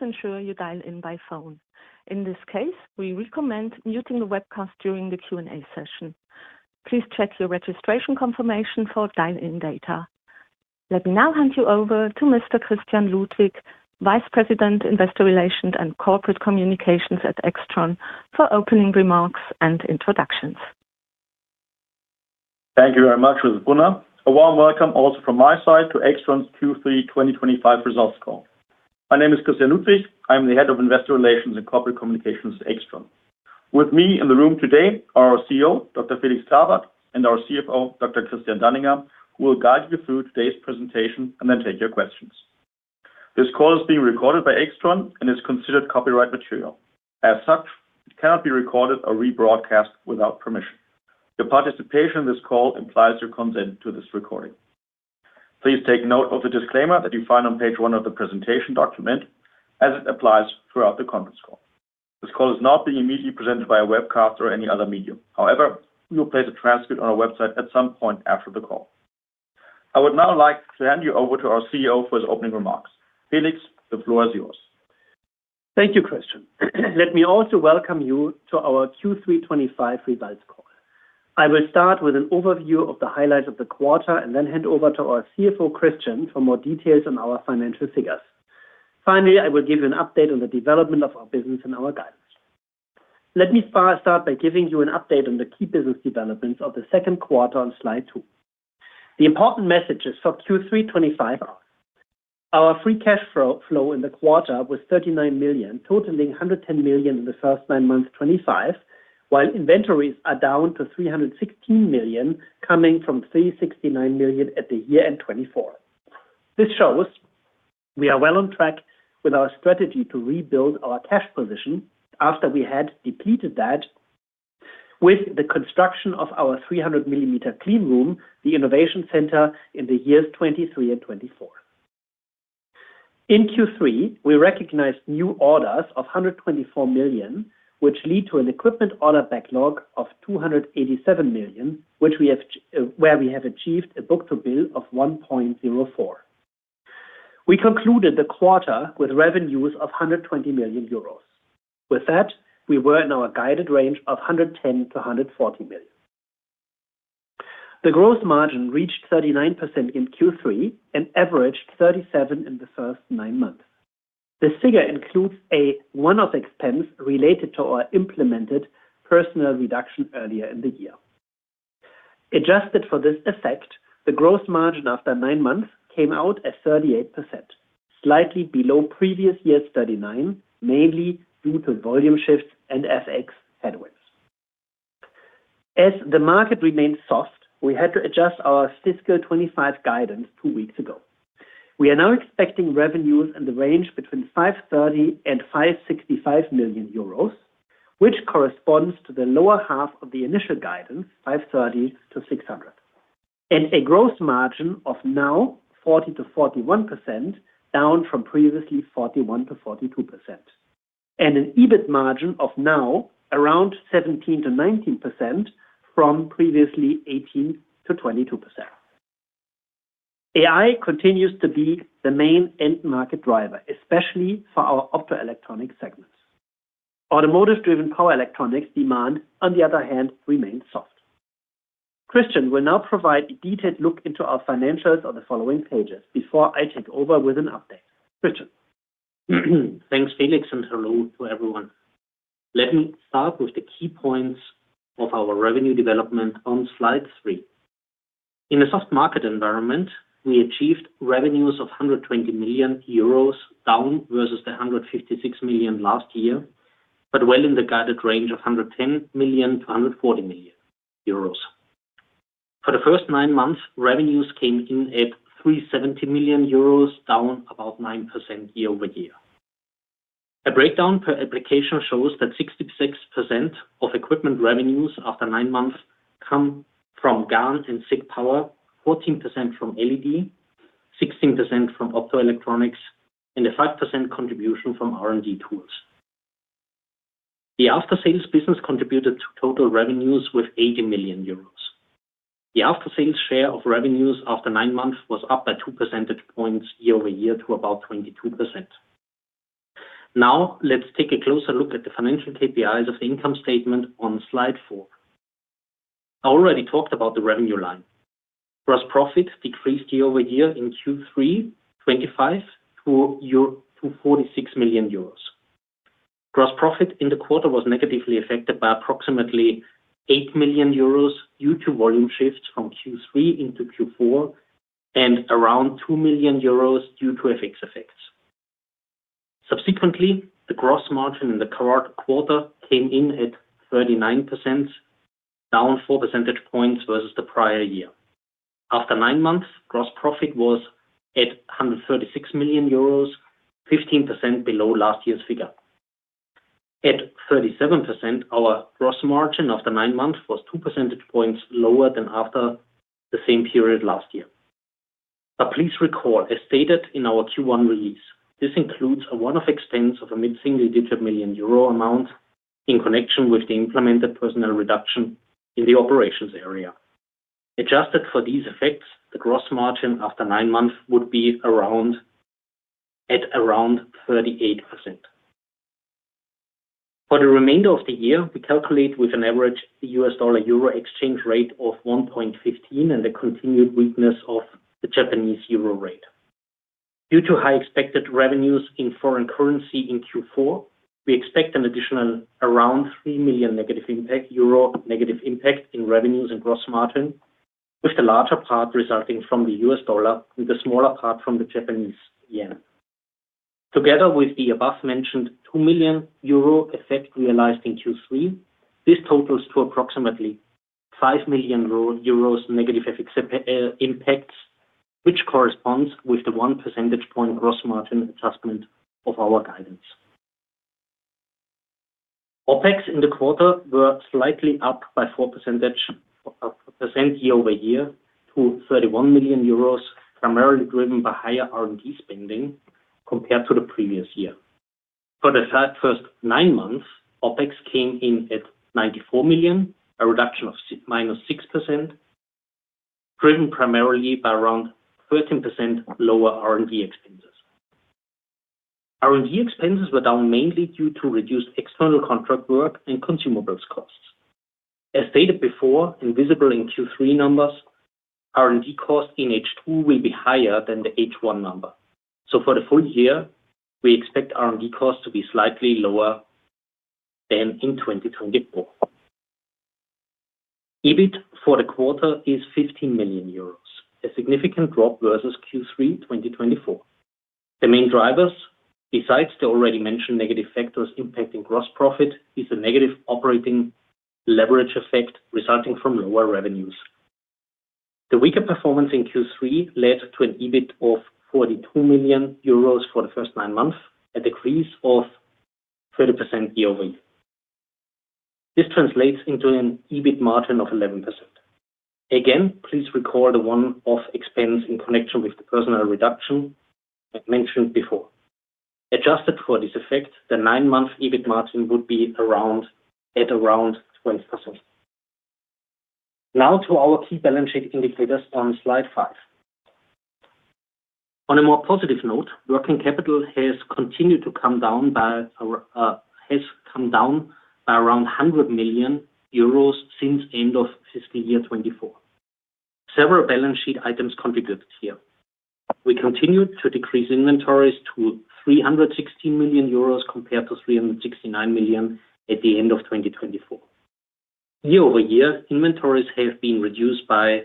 Please ensure you dial in by phone. In this case, we recommend muting the webcast during the Q&A session. Please check your registration confirmation for dial-in data. Let me now hand you over to Mr. Christian Ludwig, Vice President, Investor Relations and Corporate Communications at AIXTRON SE, for opening remarks and introductions. Thank you very much, Thilo Brunner. A warm welcome, also from my side, to AIXTRON's Q3 2025 results call. My name is Christian Ludwig. I'm the Head of Investor Relations and Corporate Communications at AIXTRON. With me in the room today are our CEO, Dr. Felix Grawert, and our CFO, Dr. Christian Danninger, who will guide you through today's presentation and then take your questions. This call is being recorded by AIXTRON SE and is considered copyright material. As such, it cannot be recorded or rebroadcast without permission. Your participation in this call implies your consent to this recording. Please take note of the disclaimer that you find on page one of the presentation document as it applies throughout the conference call. This call is not being immediately presented by a webcast or any other medium. However, we will place a transcript on our website at some point after the call. I would now like to hand you over to our CEO for his opening remarks. Felix, the floor is yours. Thank you, Christian. Let me also welcome you to our Q3 2025 results call. I will start with an overview of the highlights of the quarter and then hand over to our CFO Christian for more details on our financial figures. Finally, I will give you an update on the development of our business and our guidance. Let me start by giving you an update on the key business developments of the second quarter. On Slide 2, the important messages for Q3 2025. Our free cash flow in the quarter was 39 million, totaling 110 million in the first nine months of 2025, while inventories are down to 316 million, coming from 369 million at the year end 2024. This shows we are well on track with our strategy to rebuild our cash position after we had depleted that with the construction of our 300-Millimeter Clean Room, the Innovation Center in the years 2023 and 2024. In Q3 we recognized new orders of 124 million, which lead to an equipment order backlog of 287 million where we have achieved a book-to-bill of 1.04. We concluded the quarter with revenues of 120 million euros. With that we were in our guided range of 110 million to 140 million. The gross margin reached 39% in Q3 and averaged 37% in the first nine months. This figure includes a one-off expense related to our implemented personnel reduction earlier in the year. Adjusted for this effect, the gross margin after nine months came out at 38%, slightly below previous year's 39%, mainly due to volume shifts and FX headwinds as the market remained soft. We had to adjust our fiscal 2025 guidance two weeks ago. We are now expecting revenues in the range between 530 million and 565 million euros, which corresponds to the lower half of the initial guidance 530 million to 600 million, and a gross margin of now 40% to 41%, down from previously 41% to 42%, and an EBIT margin of now around 17% to 19% from previously 18% to 22%. AI continues to be the main end market driver, especially for our Optoelectronics segments. Automotive-driven Power Electronics demand, on the other hand, remains soft. Christian will now provide a detailed look into our financials on the following pages before I take over with an update. Christian. Thanks Felix, and hello to everyone. Let me start with the key points of our revenue development on Slide 3. In a soft market environment, we achieved revenues of 120 million euros, down versus the 156 million last year, but well in the guided range of 110 million to 140 million euros. For the first nine months, revenues came in at 370 million euros, down about 9% year-over-year. A breakdown per application shows that 66% of equipment revenues after nine months come from GaN and SiC Power, 14% from LED, 16% from Optoelectronics, and a 5% contribution from R&D tools. The after-sales business contributed to total revenues with 80 million euros. The after-sales share of revenues after nine months was up by 2% points year-over-year to about 22%. Now let's take a closer look at the financial KPIs of the income statement on slide 4. I already talked about the revenue line. Gross profit decreased year-over-year in Q3 2025 to 46 million euros. Gross profit in the quarter was negatively affected by approximately 8 million euros due to volume shifts from Q3 into Q4 and around 2 million euros due to FX effects. Subsequently, the gross margin in the current quarter came in at 39%, down 4% points versus the prior year. After nine months, gross profit was at 136 million euros, 15% below last year's figure at 37%. Our gross margin after nine months was 2% points lower than after the same period last year. Please recall as stated in our Q1 release, this includes a one-off expense of a mid-single-digit million-euro amount in connection with the implemented personnel reduction in the operations area. Adjusted for these effects, the gross margin after nine months would be at around 38% for the remainder of the year. We calculate with an average U.S. dollar euro exchange rate of 1.15 and the continued weakness of the Japanese euro rate due to high expected revenues in foreign currency. In Q4 we expect an additional around 3 million negative impact in revenues and gross margin, with the larger part resulting from the U.S. dollar and the smaller part from the Japanese yen. Together with the above-mentioned 2 million euro effect realized in Q3, this totals to approximately 5 million euros negative FX impacts, which corresponds with the 1 percentage point gross margin adjustment of our guidance. OpEx in the quarter was slightly up by 4% year-over-year to 31 million euros, primarily driven by higher R&D spending compared to the previous year. For the first nine months, OpEx came in at 94 million, a reduction of minus 6% driven primarily by around 13% lower R&D expenses. R&D expenses were down mainly due to reduced external contract work and consumables costs. As stated before, visible in Q3 numbers, R&D cost in H2 will be higher than the H1 number. For the full year, we expect R&D costs to be slightly lower than in 2024. EBIT for the quarter is 15 million euros, a significant drop versus Q3 2024. The main drivers, besides the already mentioned negative factors impacting gross profit, is a negative operating leverage effect resulting from lower revenues. The weaker performance in Q3 led to an EBIT of 42 million euros for the first nine months, a decrease of 30% year-over-year. This translates into an EBIT margin of 11%. Again, please recall the one-off expense in connection with the personnel reduction mentioned before. Adjusted for this effect, the nine-month EBIT margin would be at around 20%. Now to our key balance sheet indicators on Slide 5. On a more positive note, working capital has continued to come down by around 100 million euros since end of fiscal year 2024. Several balance sheet items contributed here. We continued to decrease inventories to 316 million euros compared to 369 million at the end of 2024. Year over year, inventories have been reduced by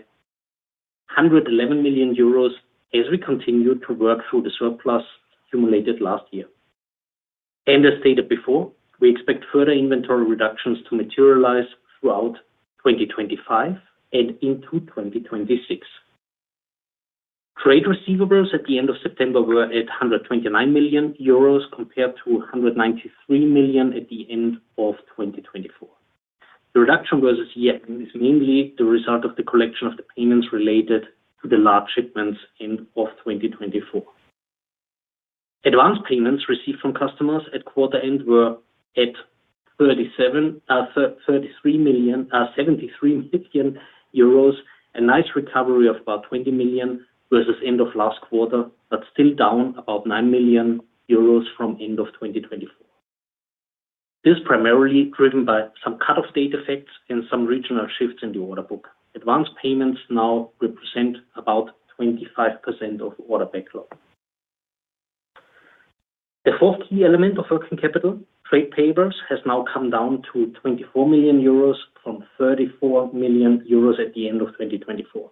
111 million euros. As we continue to work through the surplus accumulated last year and as stated before, we expect further inventory reductions to materialize throughout 2025 and into 2026. Trade receivables at the end of September were at 129 million euros compared to 193 million at the end of 2024. The reduction versus year end is mainly the result of the collection of the payments related to the large shipments. End of 2024 advance payments received from customers at quarter end were at 73 million euros, a nice recovery of about 20 million versus end of last quarter, but still down about 9 million euros from end of 2024. This is primarily driven by some cutoff date effects and some regional shifts in the order book. Advance payments now represent about 25% of order backlog. The fourth key element of working capital, Trade Payables, has now come down to 24 million euros from 34 million euros at the end of 2024.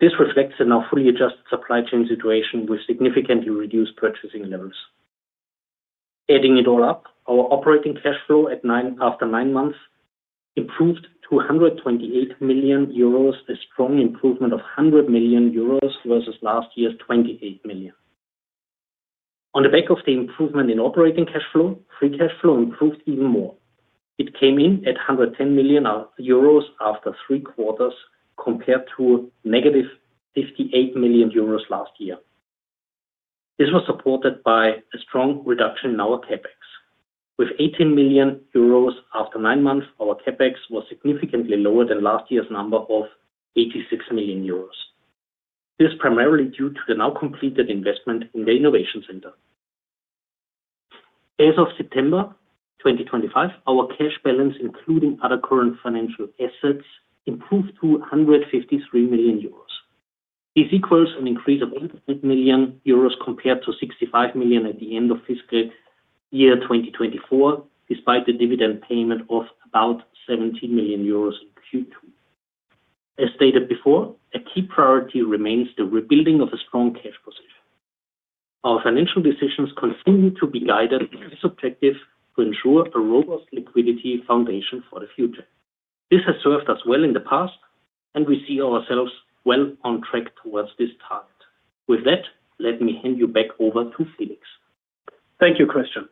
This reflects a now fully adjusted supply chain situation with significantly reduced purchasing levels. Adding it all up, our operating cash flow after nine months improved to 128 million euros, a strong improvement of 100 million euros versus last year's 28 million. On the back of the improvement in operating cash flow, free cash flow improved even more. It came in at 110 million euros after three quarters compared to negative 58 million euros last year. This was supported by a strong reduction in our CapEx with 18 million euros. After nine months, our CapEx was significantly lower than last year's number of 86 million euros. This is primarily due to the now completed investment in the Innovation Center. As of September 2025, our cash balance, including other current financial assets, improved to 153 million euros. This equals an increase of 88 million euros compared to 65 million at the end of fiscal year 2024, despite the dividend payment of about 17 million euros in Q2. As stated before, a key priority remains the rebuilding of a strong cash position. Our financial decisions continue to be guided by this objective to ensure a robust liquidity foundation for the future. This has served us well in the past and we see ourselves well on track towards this target. With that, let me hand you back over to Felix. Thank you, Christian.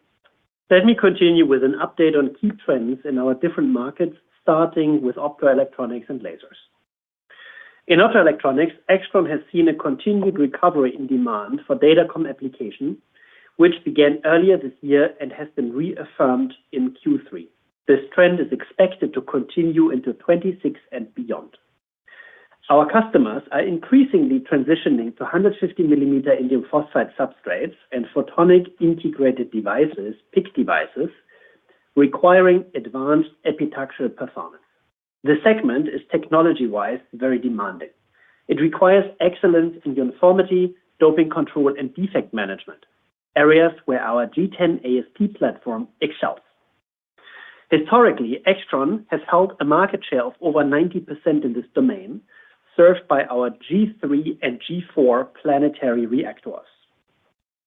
Let me continue with an update on key trends in our different markets, starting with Optoelectronics and lasers. In Optoelectronics, AIXTRON has seen a continued recovery in demand for datacom applications which began earlier this year and has been reaffirmed in Q3. This trend is expected to continue into 2026 and beyond. Our customers are increasingly transitioning to 150-millimeter Indium Phosphide substrates and photonic integrated circuit devices requiring advanced epitaxial performance. The segment is technology-wise very demanding. It requires excellence in uniformity, doping control, and defect management, areas where our G10-AsP platform excels. Historically, AIXTRON has held a market share of over 90% in this domain served by our G3 and G4 planetary reactors.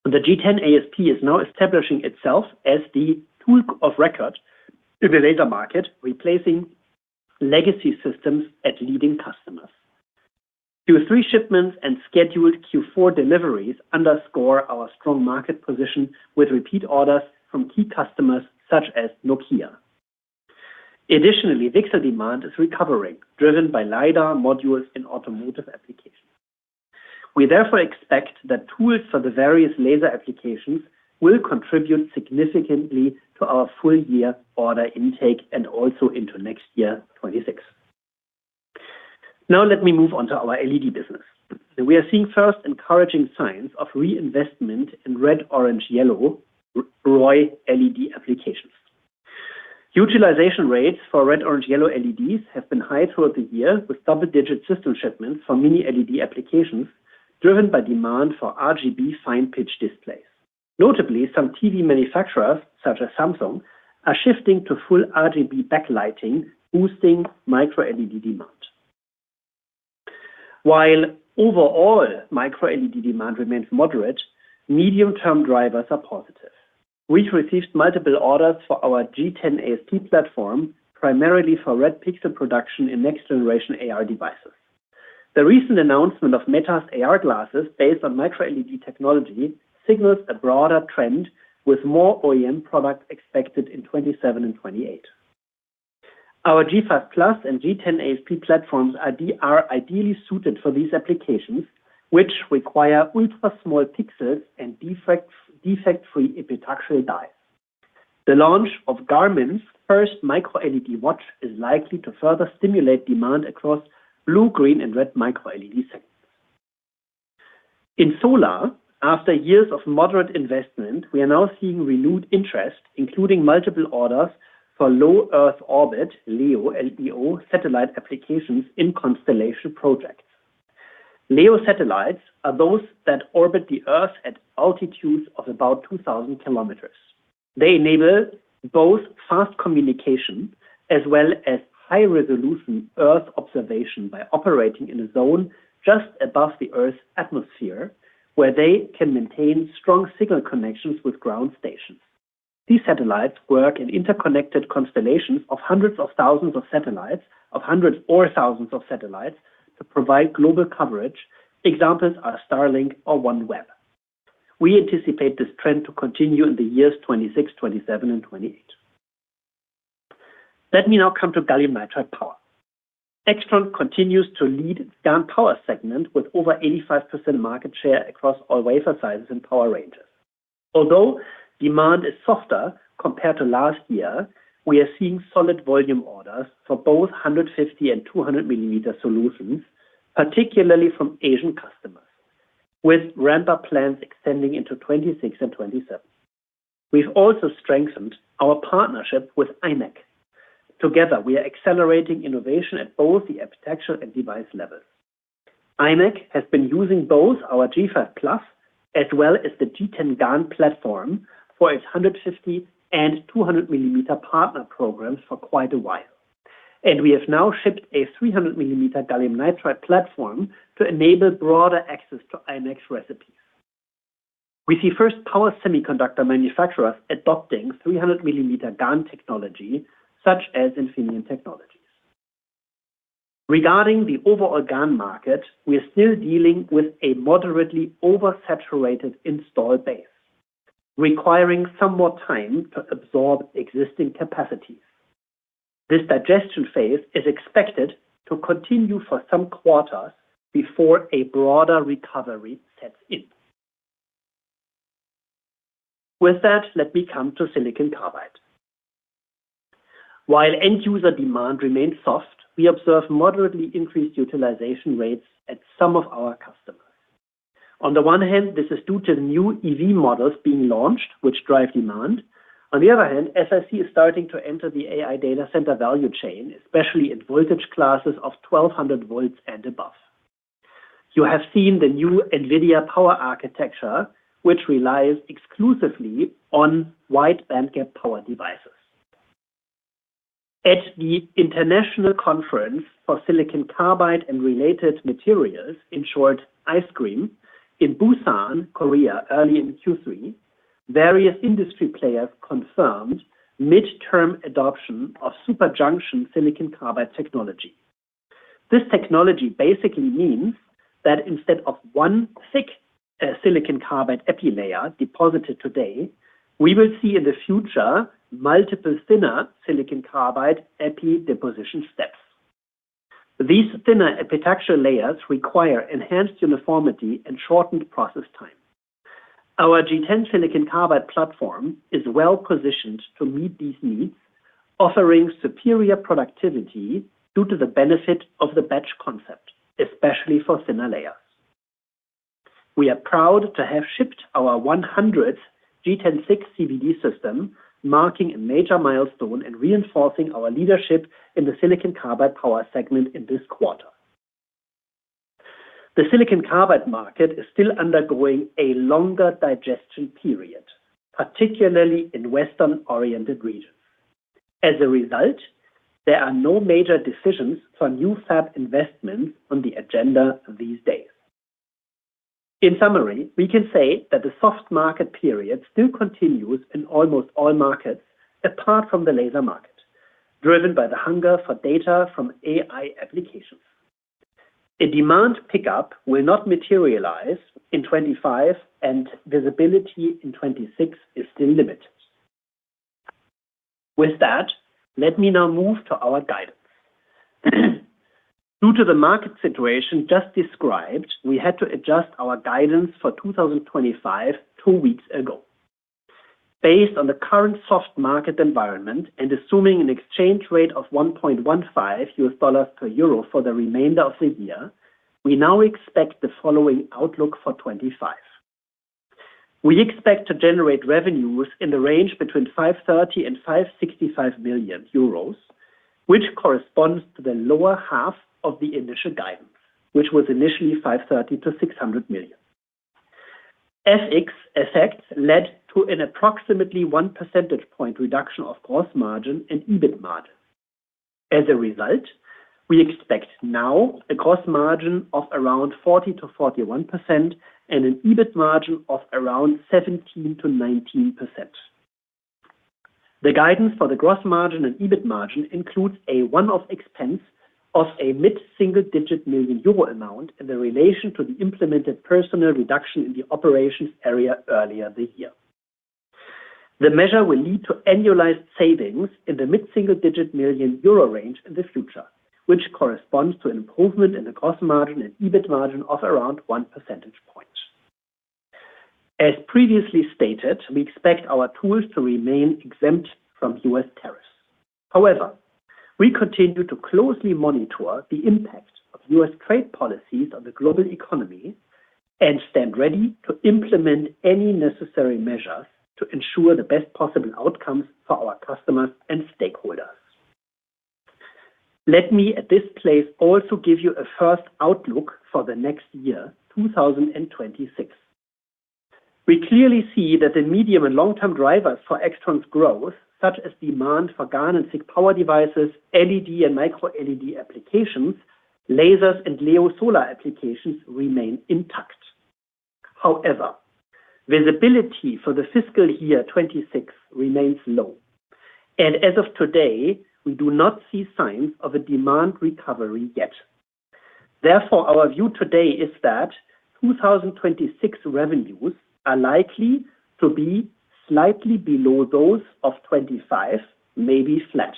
The G10-AsP is now establishing itself as the tool of record in the laser market, replacing legacy systems at leading customers. Q3 shipments and scheduled Q4 deliveries underscore our strong market position with repeat orders from key customers such as Nokia. Additionally, VCSEL demand is recovering, driven by LIDAR modules and automotive applications. We therefore expect that tools for the various laser applications will contribute significantly to our full year order intake and also into next year, 2026. Now let me move on to our LED business. We are seeing first encouraging signs of reinvestment in Red, Orange, Yellow (ROY) LED applications. Utilization rates for Red, Orange, Yellow LEDs have been high throughout the year with double-digit system shipments for mini LED applications driven by demand for RGB Fine Pitch displays. Notably, some TV manufacturers such as Samsung are shifting to full RGB backlighting, boosting Micro LED demand. While overall Micro LED demand remains moderate, medium-term drivers are positive. We've received multiple orders for our G10-AsP platform, primarily for red pixel production in next generation AR devices. The recent announcement of Meta's AR glasses based on Micro LED technology signals a broader trend with more OEM products expected in 2027 and 2028. Our G5 Plus and G10-AsP platforms are ideally suited for these applications which require ultra-small pixels and defect-free epitaxial dies. The launch of Garmin's first Micro LED watch is likely to further stimulate demand across blue, green, Micro LED segments. In solar, after years of moderate investment, we are now seeing renewed interest, including multiple orders for Low Earth Orbit (LEO) satellite applications in constellation projects. LEO satellites are those that orbit the Earth at altitudes of about 2,000 km. They enable both fast communication as well as high-resolution Earth observation by operating in a zone just above the Earth's atmosphere, where they can maintain strong signal connections with ground stations. These satellites work in interconnected constellations of hundreds or thousands of satellites to provide global coverage. Examples are Starlink or OneWeb. We anticipate this trend to continue in the years 2026, 2027, and 2028. Let me now come to Gallium Nitride Power. AIXTRON SE continues to lead the GaN Power segment with over 85% market share across all wafer sizes and power ranges. Although demand is softer compared to last year, we are seeing solid volume orders for both 150 and 200-millimeter solutions, particularly from Asian customers, with ramp-up plans extending into 2026 and 2027. We've also strengthened our partnership with IMEC. Together, we are accelerating innovation at both the architectural and device levels. IMEC has been using both our G5 Plus as well as the G10-GaN platform for its 150 and 200-millimeter partner programs for quite a while, and we have now shipped a 300-millimeter Gallium Nitride platform to enable broader access to IMEC's recipes. We see first power semiconductor manufacturers adopting 300-millimeter GaN technology, such as Infineon Technologies. Regarding the overall GaN market, we are still dealing with a moderately oversaturated install base requiring some more time to absorb existing capacities. This digestion phase is expected to continue for some quarters before a broader recovery sets in. With that, let me come to Silicon Carbide. While end-user demand remains soft, we observe moderately increased utilization rates at some of our customers. On the one hand, this is due to new EV models being launched, which drive demand. On the other hand, SiC is starting to enter the AI data center value chain, especially in voltage classes of 1,200 volts and above. You have seen the new NVIDIA power architecture, which relies exclusively on wide-bandgap power devices at the International Conference for Silicon Carbide and Related Materials, in short, ICSCRM, in Busan, Korea. Early in Q3, various industry players confirmed mid-term adoption of super junction Silicon Carbide technology. This technology basically means that instead of one thick Silicon Carbide EPI layer deposited today, we will see in the future multiple thinner Silicon Carbide EPI deposition steps. These thinner epitaxial layers require enhanced uniformity and shortened process time. Our G10-SiC platform is well positioned to meet these needs, offering superior productivity due to the benefit of the batch concept, especially for thinner layers. We are proud to have shipped our 100th G10.6 CBD system, marking a major milestone and reinforcing our leadership in the Silicon Carbide power segment in this quarter. The Silicon Carbide market is still undergoing a longer digestion period, particularly in western-oriented regions. As a result, there are no major decisions for new fab investments on the agenda these days. In summary, we can say that the soft market period still continues in almost all markets apart from the laser market. Driven by the hunger for data from AI applications, a demand pickup will not materialize in 2025 and visibility in 2026 is still limited. With that, let me now move to our guidance. Due to the market situation just described, we had to adjust our guidance for 2025 two weeks ago. Based on the current soft market environment and assuming an exchange rate of $1.15 per euro for the remainder of the year, we now expect the following outlook for 2025. We expect to generate revenues in the range between 530 million and 565 million euros, which corresponds to the lower half of the initial guidance, which was initially 530 million to 600 million. FX effects led to an approximately 1% point reduction of gross margin and EBIT margin. As a result, we expect now a gross margin of around 40% to 41% and an EBIT margin of around 17% to 19%. The guidance for the gross margin and EBIT margin includes a one-off expense of a mid-single-digit million euro amount in relation to the implemented personnel reduction in the operations area earlier this year. The measure will lead to annualized savings in the mid-single-digit million euro range in the future, which corresponds to an improvement in the gross margin and EBIT margin of around 1 percentage point. As previously stated, we expect our tools to remain exempt from U.S. tariffs. However, we continue to closely monitor the impact of U.S. trade policies on the global economy and stand ready to implement any necessary measures to ensure the best possible outcomes for our customers and stakeholders. Let me at this place also give you a first outlook for the next year, 2026. We clearly see that the medium and long term drivers for AIXTRON's growth such as demand for GaN and SiC power devices, LED and Micro LED applications, lasers and LEO solar applications remain intact. However, visibility for the fiscal year 2026 remains low and as of today we do not see signs of a demand recovery yet. Therefore, our view today is that 2026 revenues are likely to be slightly below those of 2025, maybe flat.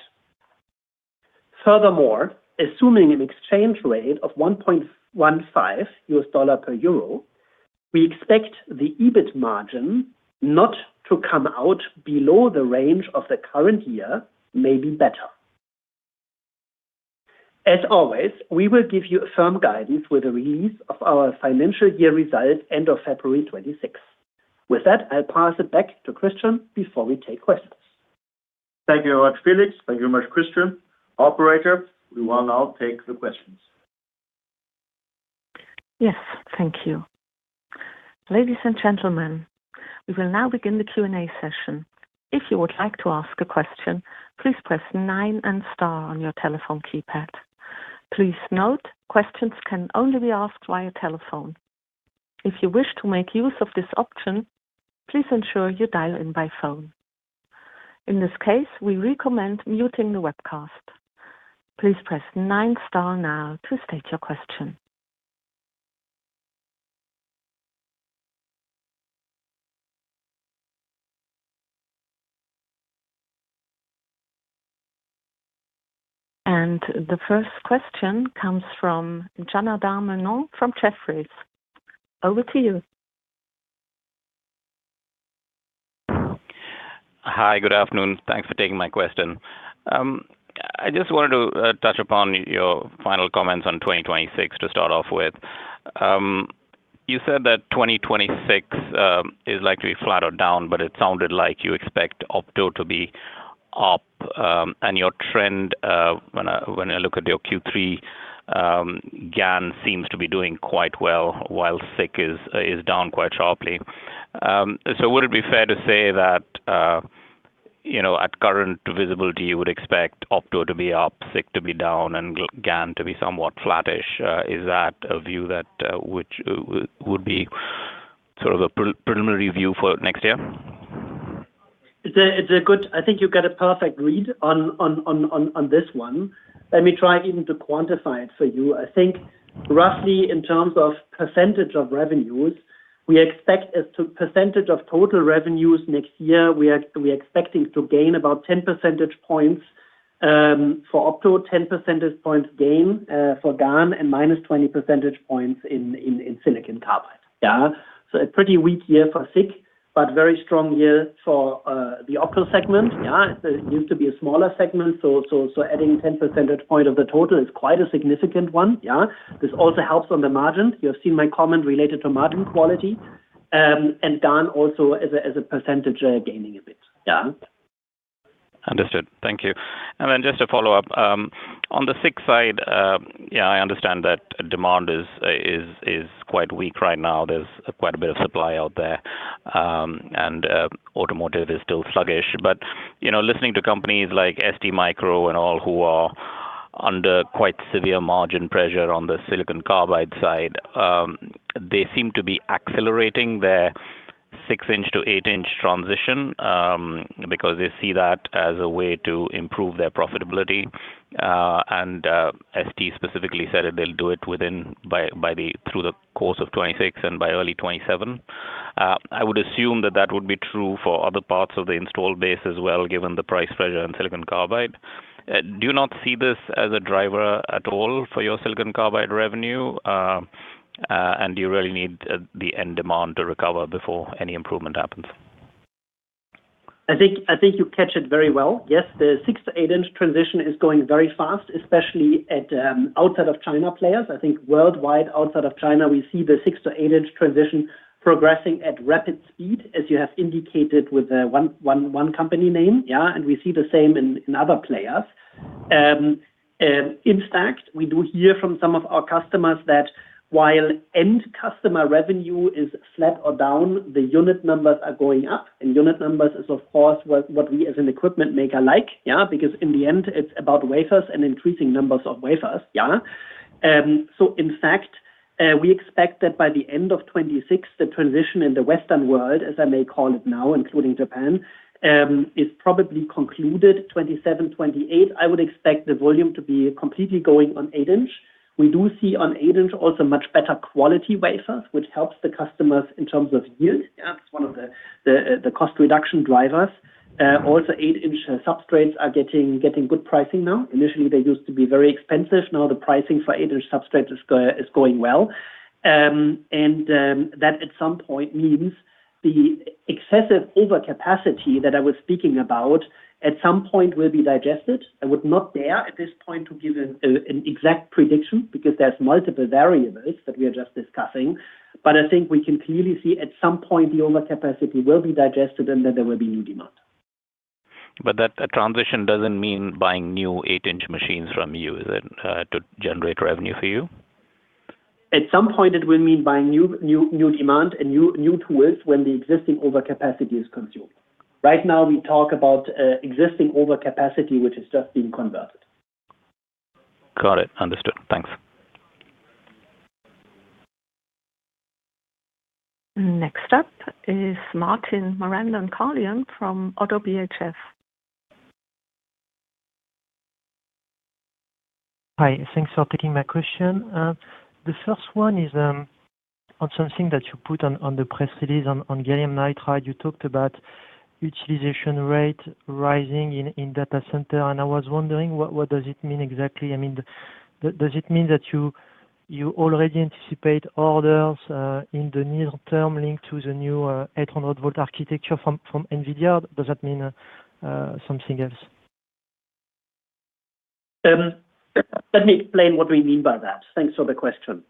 Furthermore, assuming an exchange rate of $1.15 per euro, we expect the EBIT margin not to come out below the range of the current year, maybe better. As always, we will give you firm guidance with the release of our financial year results end of February 26th. With that, I'll pass it back to Christian before we take questions. Thank you very much Felix. Thank you very much Christian. Operator, we will now take the questions. Yes, thank you. Ladies and gentlemen, we will now begin the Q&A session. If you would like to ask a question, please press nine and star on your telephone keypad. Please note questions can only be asked via telephone. If you wish to make use of this option, please ensure you dial in by phone. In this case, we recommend muting the webcast. Please press nine star now to state your question. The first question comes from Janardan Menon from Jefferies, over to you. Hi, good afternoon. Thanks for taking my question. I just wanted to touch upon your final comments on 2026. To start off with, you said that 2026 is likely flat or down, but it sounded like you expect Opto to be up and your trend when I look at your Q3, GaN seems to be doing quite well while SiC is down quite sharply. Would it be fair to say that at current visibility you would expect Opto to be up, SiC to be down and GaN to be somewhat flattish? Is that a view? That would be sort of a preliminary view for next year. I think you get a perfect read on this one. Let me try even to quantify it for you. I think roughly in terms of percentage of revenues we expect as to percentage of total revenues next year we are expecting to gain about 10% points for Opto, 10% points gain for GaN and minus 20% points in Silicon Carbide. Yeah, so a pretty weak year for SiC but very strong year for the Opto segment, used to be a smaller segment, so adding 10% point of the total is quite a significant one. This also helps on the margin. You have seen my comment related to margin quality and GaN also as a percentage gaining a bit. Understood, thank you. Just to follow up on the SiC side, I understand that demand is quite weak right now. There's quite a bit of supply out there and automotive is still sluggish. Listening to companies like STMicro and all who are under quite severe margin pressure on the Silicon Carbide side, they seem to be accelerating their 6 inch to 8-inch transition because they see that as a way to improve their profitability, and ST specifically said they'll do it through the course of 2026 and by early 2027. I would assume that would be true for other parts of the installed base as well? Given the price pressure on Silicon Carbide, do you not see this as a driver at all for your Silicon Carbide revenue and do you really need the end demand to recover before any improvement happens? I think you catch it very well. Yes, the 6-inch to 8-inch transition is going very fast, especially outside of China players. I think worldwide outside of China we see the 6-inch to 8-inch transition progressing at rapid speed as you have indicated with one company name, and we see the same in other players. In fact, we do hear from some of our customers that while end customer revenue is flat or down, the unit numbers are going up. Unit numbers is of course what we as an equipment maker like, because in the end it's about wafers and increasing numbers of wafers. In fact, we expect that by the end of 2026, the transition in the Western world, as I may call it now, including Japan, is probably concluded. In 2027, 2028, I would expect the volume to be completely going on 8-inch. We do see on 8-inch also much better quality wafers, which helps the customers in terms of yield. That's one of the cost reduction drivers. Also, 8-inch substrates are getting good pricing now. Initially, they used to be very expensive. Now the pricing for 8-inch substrate is going well and that at some point needs. The excessive overcapacity that I was speaking about at some point will be digested. I would not dare at this point to give an exact prediction because there's multiple variables that we are just discussing. I think we can clearly see at some point the overcapacity will be digested and that there will be new demand. That transition doesn't mean buying new 8-inch machines from you, is it to generate revenue for you. At some point it will mean buying new demand and new tools when the existing overcapacity is consumed. Right now we talk about existing overcapacity which is just being converted. Got it? Understood. Thanks. Next up is Martin Marandon-Carlhian from ODDO BHF. Hi, thanks for taking my question. The first one is on something that you put on the press release on Gallium Nitride. You talked about utilization rate rising in data center and I was wondering what does it mean exactly? I mean, does it mean that you already anticipate orders in the near term linked to the new 800 volt architecture from NVIDIA? Does that mean something else? Let me explain what we mean by that. Thanks for the question.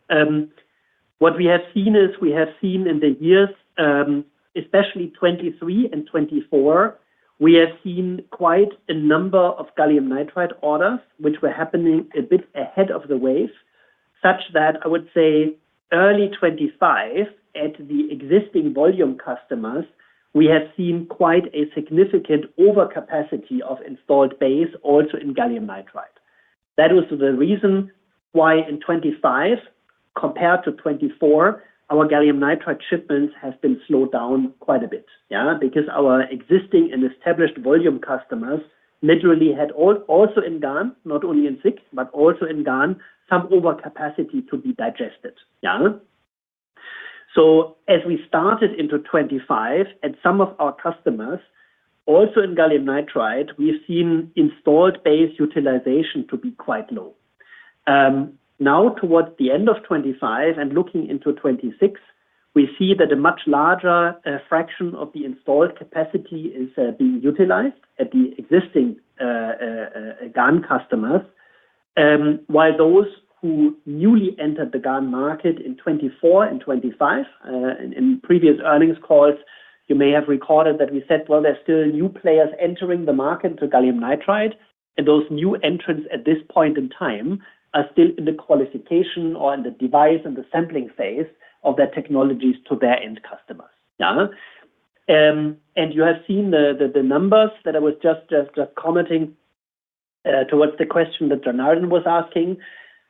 What we have seen is we have seen in the years, especially 2023 and 2024, we have seen quite a number of Gallium Nitride orders which were happening a bit ahead of the wave, such that I would say early 2025 at the existing volume customers, we have seen quite a significant overcapacity of installed base also in Gallium Nitride. That was the reason why in 2025 compared to 2024, our Gallium Nitride shipments have been slowed down quite a bit because our existing and established volume customers literally had also in GaN, not only in SiC but also in GaN, some overcapacity to be digested. As we started into 2025 and some of our customers also in Gallium Nitride, we've seen installed base utilization to be quite low. Now towards the end of 2025 and looking into 2026, we see that a much larger fraction of the installed capacity is being utilized at the existing GaN customers, while those who newly entered the GaN market in 2024 and 2025, in previous earnings calls you may have recorded that we said there are still new players entering the market to Gallium Nitride, and those new entrants at this point in time are still in the qualification or in the device and the sampling phase of their technologies to their end customers. You have seen the numbers that I was just commenting towards the question that was asking.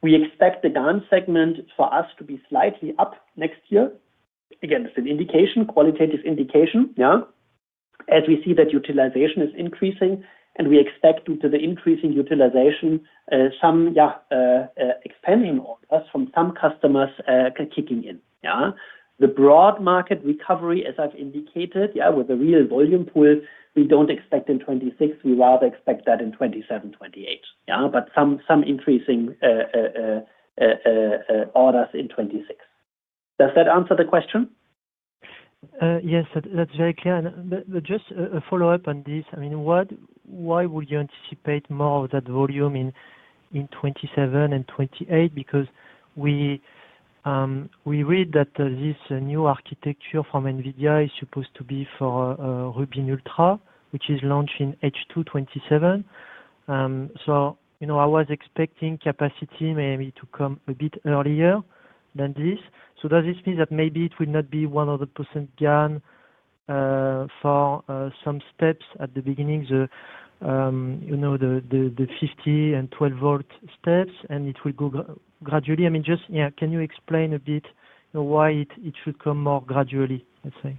We expect the GaN segment for us to be slightly up next year. Again, it's an indication, qualitative indication as we see that utilization is increasing and we expect due to the increasing utilization some expansion orders from some customers kicking in. The broad market recovery as I've indicated with a real volume pull, we don't expect in 2026, we rather expect that in 2027-2028, but some increasing orders in 2026. Does that answer the question? Yes, that's very clear, but just a follow up on this. I mean, why would you anticipate more of that volume in 2027 and 2028? Because we read that this, a new architecture from NVIDIA is supposed to be for Rubin Ultra, which is launched in H2 2027. You know, I was expecting capacity maybe to come a bit earlier than this. Does this mean that maybe it will not be 100% GaN for some steps at the beginning, you know, the 50 and 12-volt steps, and it will go gradually? Can you explain a bit why it should come more gradually? Let's say.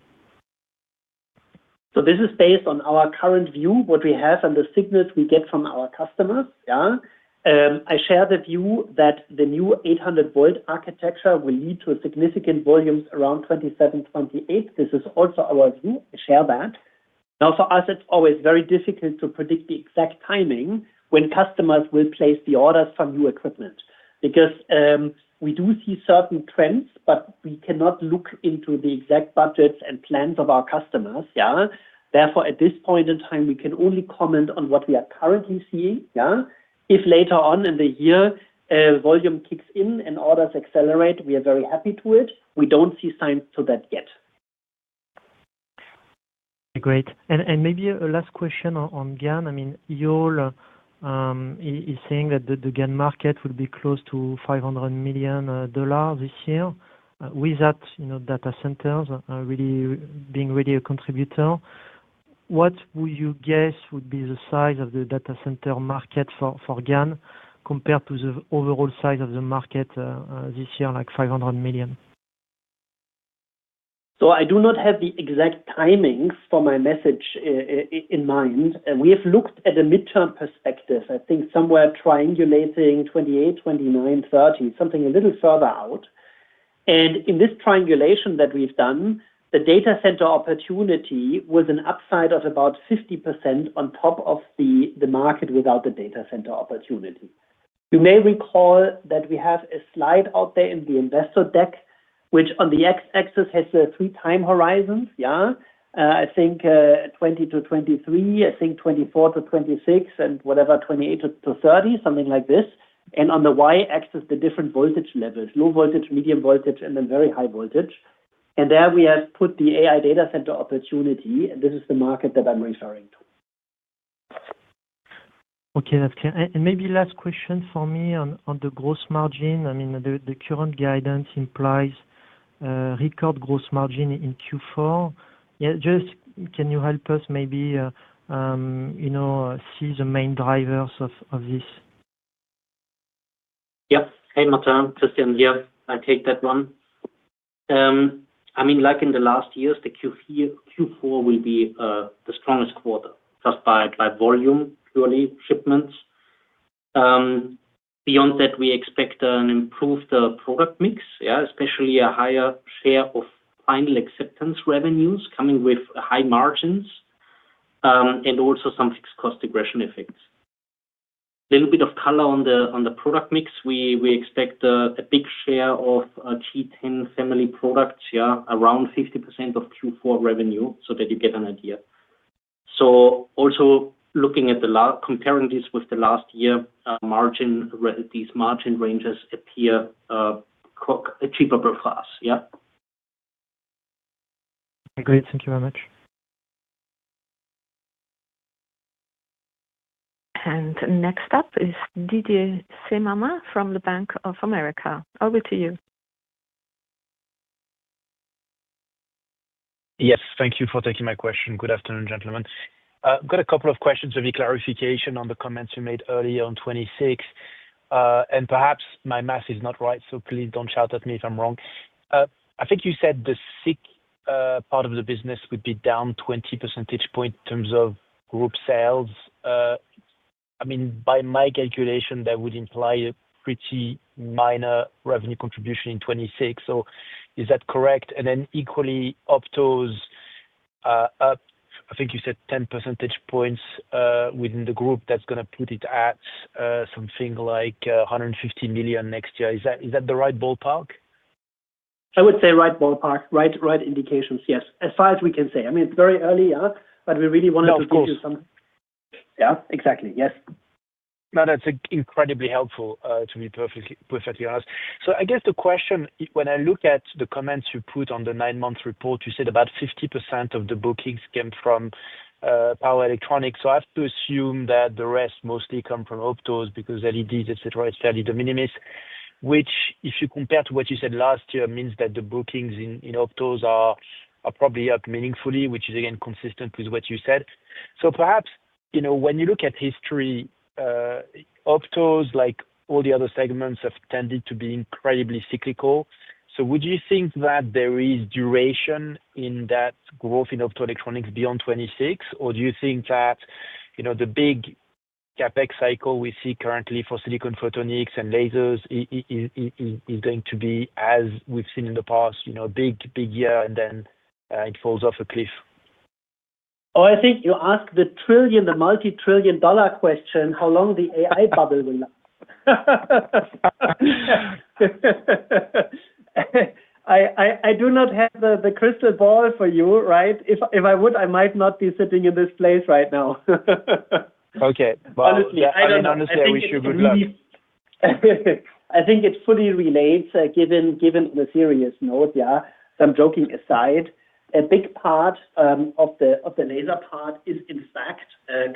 this is based on our current view, what we have and the signals we get from our customers. I share the view that the new 800-volt architecture will lead to significant volumes around 2027, 2028. This is also our view. For us, it's always very difficult to predict the exact timing when customers will place the orders for new equipment because we do see certain trends, but we cannot look into the exact budgets and plans of our customers. Therefore, at this point in time, we can only comment on what we are currently seeing. If later on in the year volume kicks in and orders accelerate, we are very happy to see it. We don't see signs to that yet. Great. Maybe a last question on GaN. Yole is saying that the GaN market will be close to $500 million this year. Without data centers being really a contributor, what would you guess would be the size of the data center market for GaN compared to the overall size of the market this year, like $500 million? I do not have the exact timing for my message in mind. We have looked at a midterm perspective, I think somewhere triangulating 2028, 2029, 2030, something a little further out. In this triangulation that we've done, the data center opportunity with an upside of about 50% on top of the market, without the data center opportunity, you may recall that we have a slide out there in the investor deck which on the X-axis has three time horizons. I think 2020 to 2023, I think 2024 to 2026, and whatever 2028 to 2030, something like this. On the Y-axis, the different voltage levels, low voltage, medium voltage, and then very high voltage. There we have put the AI data center opportunity, and this is the market that I'm referring to. Okay, that's clear. Maybe last question for me on the gross margin. I mean, the current guidance implies record gross margin in Q4. Can you help us maybe see the main drivers of this? Yep. Hey Martin, Christian here. I take that one. I mean like in the last years the Q4 will be the strongest quarter just by volume, purely shipments. Beyond that, we expect an improved product mix, especially a higher share of final acceptance revenues coming with high margins and also some fixed cost aggression effects. Little bit of color on the product mix, we expect a big share of T10 family products, around 50% of Q4 revenue, so that you get an idea. Also, looking at the comparing this with the last year margin, these margin ranges appear cheaper for us. Yeah. Agreed. Thank you very much. Next up is Didier Scemama from Bank of America, over to you. Yes, thank you for taking my question. Good afternoon, gentlemen. Got a couple of questions of a clarification on the comments you made earlier on 2026, and perhaps my math is not right, so please don't shout at me if I'm wrong. I think you said the SiC part of the business would be down 20% points in terms of group sales. I mean, by my calculation, that would imply pretty minor revenue contribution in 2026. Is that correct? Equally, Opto, I think you said 10 percentage points within the group. That's going to put it at something like $150 million next year. Is that the right ballpark? I would say right ballpark, right indications, yes, as far as we can say. I mean, it's very early, but we really wanted to give you something. Yeah, exactly. Yes. Now that's incredibly helpful, to be perfectly honest. I guess the question, when I look at the comments you put on the nine month report, you said about 50% of the bookings came from power electronics. I have to assume that the rest mostly come from Opto because LEDs, etc., is fairly de minimis, which, if you compare to what you said last year, means that the bookings in Opto are probably up meaningfully, which is again consistent with what you said. Perhaps, you know, when you look at history, Opto, like all the other segments, have tended to be incredibly cyclical. Would you think that there is duration in that growth in Optoelectronics beyond 2026, or do you think that the big CapEx cycle we see currently for silicon photonics and lasers is going to be, as we've seen in the past, a big, big year and then it falls off a cliff? Oh, I think you ask the trillion, the multi-trillion dollar question, how long the AI bubble will last. I do not have the crystal ball for you. Right. If I would, I might not be sitting in this place right now. Okay. Honestly, I wish you good luck. I think it fully relates, given the serious note. Some joking aside, a big part of the laser part is in fact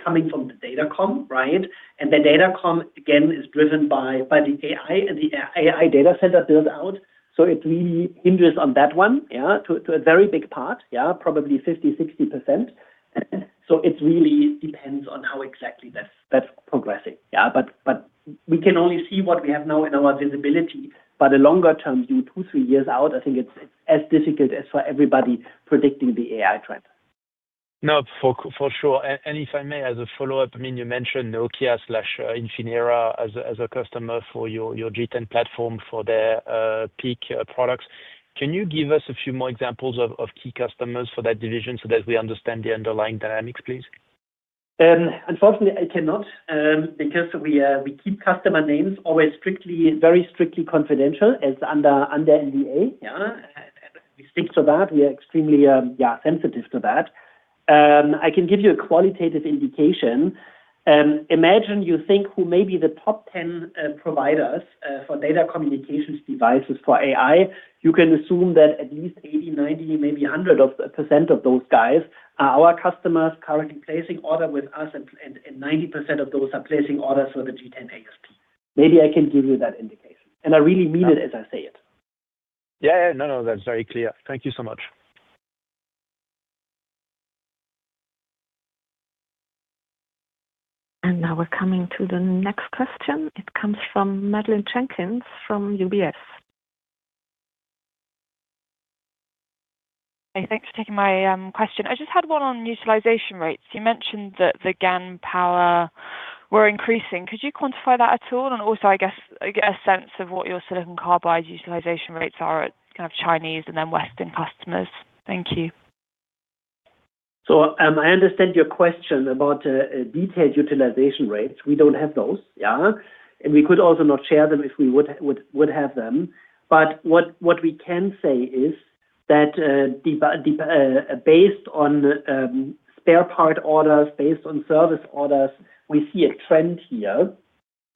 coming from the datacom. Right. The datacom again is driven by the AI and the AI data center build out. It really hinges on that one to a very big part, probably 50%, 60%. It really depends on how exactly that's progressing. We can only see what we have now in our visibility. A longer term view, two, three years out, I think it's as difficult as for everybody predicting the AI trend. No, for sure. If I may, as a follow up, you mentioned Nokia, slash, Infinera as a customer for your G10 platform for their peak products. Can you give us a few more examples of key customers for that division so that we understand the underlying dynamics? Please. Unfortunately, I cannot because we keep customer names always strictly, very strictly confidential as under NDA. We stick to that. We are extremely sensitive to that. I can give you a qualitative indication. Imagine you think who may be the top 10 providers for data communications devices for AI. You can assume that at least 80%, 90%, maybe 100% of those guys are our customers currently placing order with us. 90% of those are placing orders for the G10-AsP. Maybe I can give you that indication and I really mean it as I say it. Yeah, no, no, that's very clear. Thank you so much. Now we're coming to the next question. It comes from Madeleine Jenkins from UBS. Thanks for taking my question. I just had one. On utilization rates, you mentioned that the GaN power were increasing. Could you quantify that at all? Also, I guess get a sense of your Silicon Carbide utilization rates at kind of Chinese and then Western customers. Thank you. So I understand your question about detailed utilization rates. We don't have those and we could also not share them if we would have them. What we can say is that based on spare part orders, based on service orders, we see a trend here,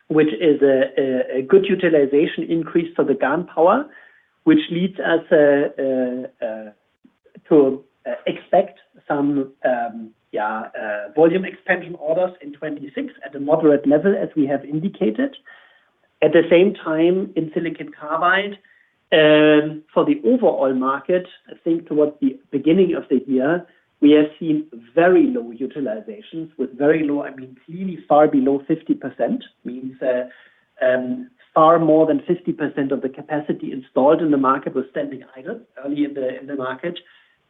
which is a good utilization increase for the GaN power, which leads us to expect some volume expansion orders in 2026 at a moderate level, as we have indicated. At the same time in Silicon Carbide for the overall market, I think towards the beginning of the year, we have seen very low utilizations. With very low, I mean, really far below 50%, means far more than 50% of the capacity installed in the market was standing idle early in the market.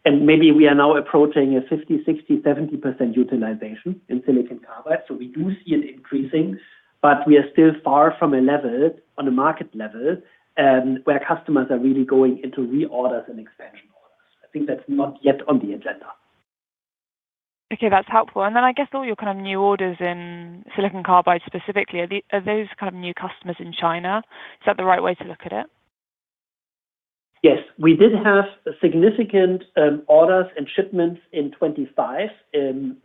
Maybe we are now approaching a 50%, 60%, 70% utilization in Silicon Carbide. We do see it increasing, but we are still far from a level on the market where customers are really going into reorders and expansion orders. I think that's not yet on the agenda. Okay, that's helpful. I guess all your kind of new orders in Silicon Carbide specifically, are those kind of new customers in China? Is that the right way to look at it? Yes, we did have significant orders and shipments in 2025 in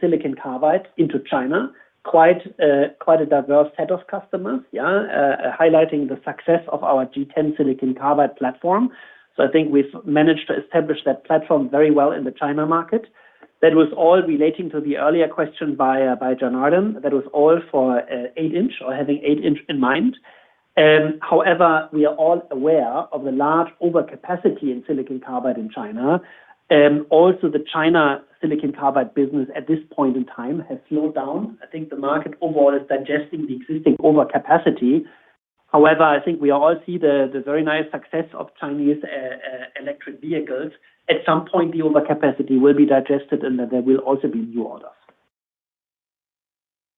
Silicon Carbide into China. Quite a diverse set of customers, highlighting the success of our G10-SiC platform. I think we've managed to establish that platform very well in the China market. That was all relating to the earlier question by John Arden. That was all for 8-inch or having 8-inch in mind. However, we are all aware of the large overcapacity in Silicon Carbide in China. Also, the China Silicon Carbide business at this point in time has slowed down. I think the market overall is digesting the existing overcapacity. I think we all see the very nice success of Chinese electric vehicles. At some point, the overcapacity will be digested and there will also be new orders.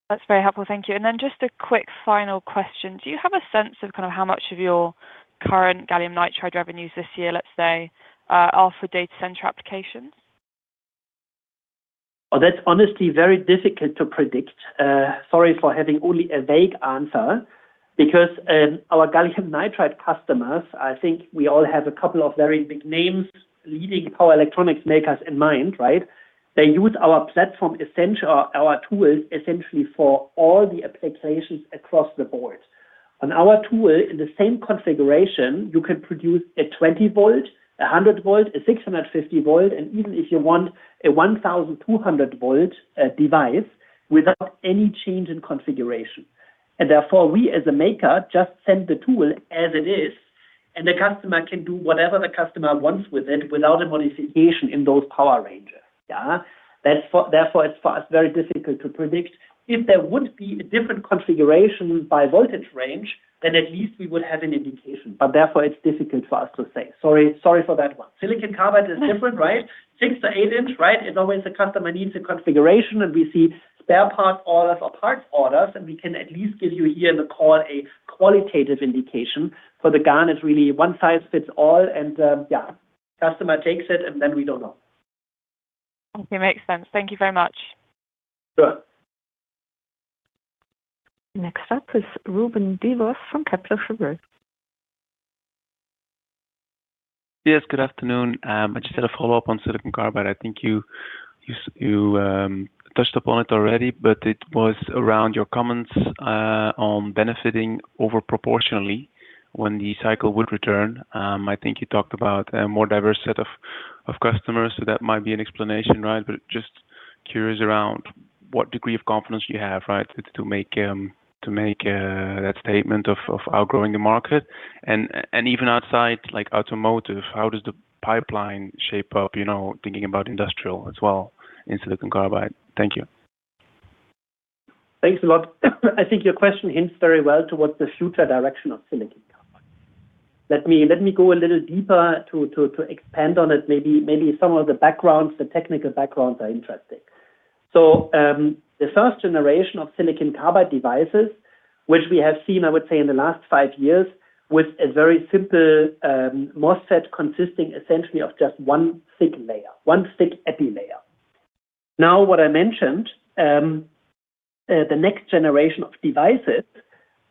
That's very helpful, thank you. Just a quick final question. Do you have a sense of how much of your current Gallium Nitride revenues this year, let's say, are for data center applications? That's honestly very difficult to predict. Sorry for having only a vague answer because our Gallium Nitride customers, I think we all have a couple of very big names, leading power electronics makers in mind, right. They use our platform, essentially our tools, essentially for all the applications across the board. On our tool in the same configuration, you can produce a 20-volt, 100-volt, a 650-volt, and even if you want a 1,200-volt device without any change in configuration, and therefore we as a maker just send the tool as it is and the customer can do whatever the customer wants with it without a modification in those power ranges. Therefore, it's for us very difficult to predict. If there would be a different configuration by voltage range, then at least we would have an indication. Therefore, it's difficult for us to say, sorry, sorry for that one. Silicon Carbide is different, right? 6 to 8-inch, right. It's always the customer needs a configuration and we see spare part orders or parts orders and we can at least give you here in the call a qualitative indication for the GaN. It's really one size fits all. Yeah, customer takes it and then we don't know. Okay, makes sense. Thank you very much. Next up is Ruben Devos from Kepler Cheuvreux. Yes, good afternoon. I just had a follow up on Silicon Carbide, but I think you touched upon it already. It was around your comments on benefiting over proportionally when the cycle would return. I think you talked about a more diverse set of customers, so that might be an explanation, right. Just curious around what degree of confidence you have, right, to make that statement of outgrowing the market. Even outside, like automotive, how does the pipeline shape up? You know, thinking about industrial as well in Silicon Carbide. Thank you. Thanks a lot. I think your question hints very well towards the future direction of silicon. Let me go a little deeper to expand on it. Maybe some of the backgrounds, the technical backgrounds are interesting. The first generation of Silicon Carbide devices which we have seen, I would say in the last five years, with a very simple MOSFET consisting essentially of just one thick layer, one thick EPI layer. Now what I mentioned, the next generation of devices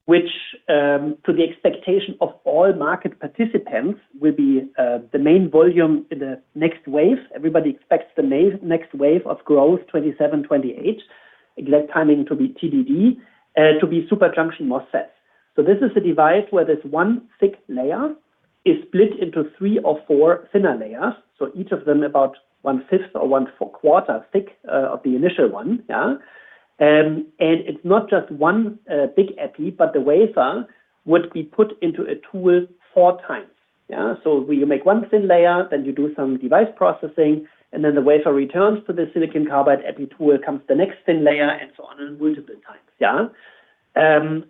which to the expectation of all market participants will be the main volume in the next wave. Everybody expects the next wave of growth, 2027, 2028, exact timing to be TBD, to be super junction MOSFET. This is a device where this one thick layer is split into three or four thinner layers, each of them about 1/5 or 1/4 thick of the initial one. It's not just one big EPI, but the wafer would be put into a tool four times. You make one thin layer, then you do some device processing and then the wafer returns to the Silicon Carbide EPI tool, comes the next thin layer and so on, multiple times.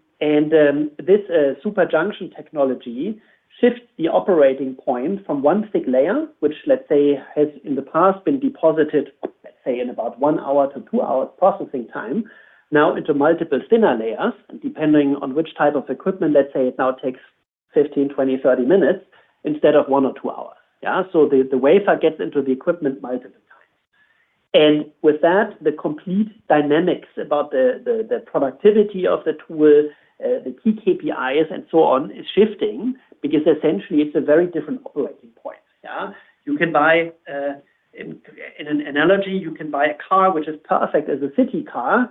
This super junction technology shifts the operating point from one thick layer which, let's say, has in the past been deposited, let's say, in about one hour to two hours processing time, now into multiple thinner layers depending on which type of equipment. Let's say it now takes 15, 20, 30 minutes instead of one or two hours. The wafer gets into the equipment multiple times. With that, the complete dynamics about the productivity of the tool, the key KPIs, and so on, is shifting because essentially it's a very different operating point. You can buy, in an analogy, a car which is perfect as a city car,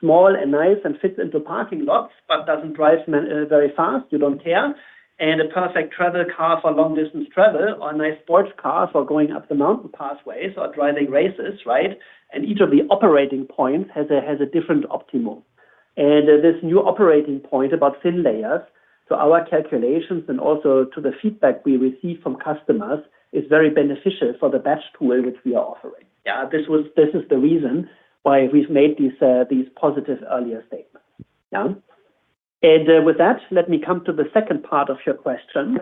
small and nice and fits into parking lots, but doesn't drive very fast. You don't care. A perfect travel car for long distance travel or a nice sports car for going up the mountain pathways or driving races. Each of the operating points has a different optimum. This new operating point about thin layers, to our calculations and also to the feedback we receive from customers, is very beneficial for the batch tool which we are offering. This is the reason why we've made these positive earlier statements. Let me come to the second part of your question.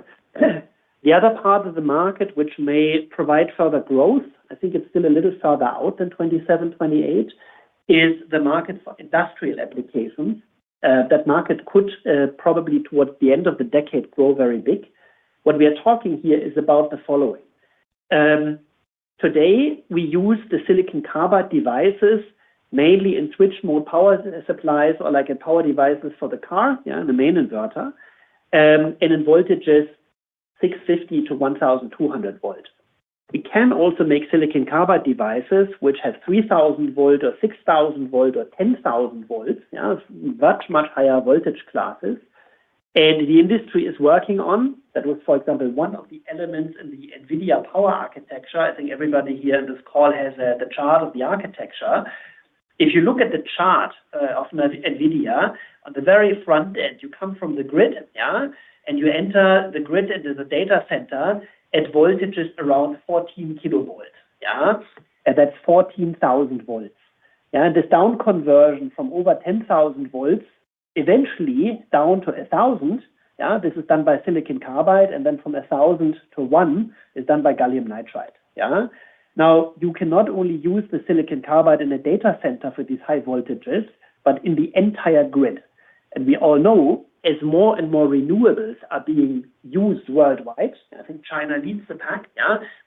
The other part of the market which may provide further growth, I think it's still a little further out than 2027, 2028, is the market for industrial applications. That market could probably towards the end of the decade grow very big. What we are talking here is about the following. Today we use the Silicon Carbide devices mainly in switch mode power supplies or like power devices for the car, the main inverter, and in voltages 650 to 1200 volt. We can also make Silicon Carbide devices which have 3,000 volt or 6,000 volt or 10,000 volt, much, much higher voltage classes. The industry is working on that. It was, for example, one of the elements in the NVIDIA power architecture. I think everybody here in this call has the chart of the architecture. If you look at the chart of NVIDIA, on the very front end, you come from the grid and you enter the grid into the data center at voltages around 14 kilovolt. That's 14,000 volt. This down conversion from over 10,000 volt, eventually down to 1,000, is done by Silicon Carbide, and then from 1,000 to 1 is done by Gallium Nitride. You cannot only use the Silicon Carbide in a data center for these high voltages, but in the entire grid. We all know as more and more renewables are being used worldwide, I think China leads the pack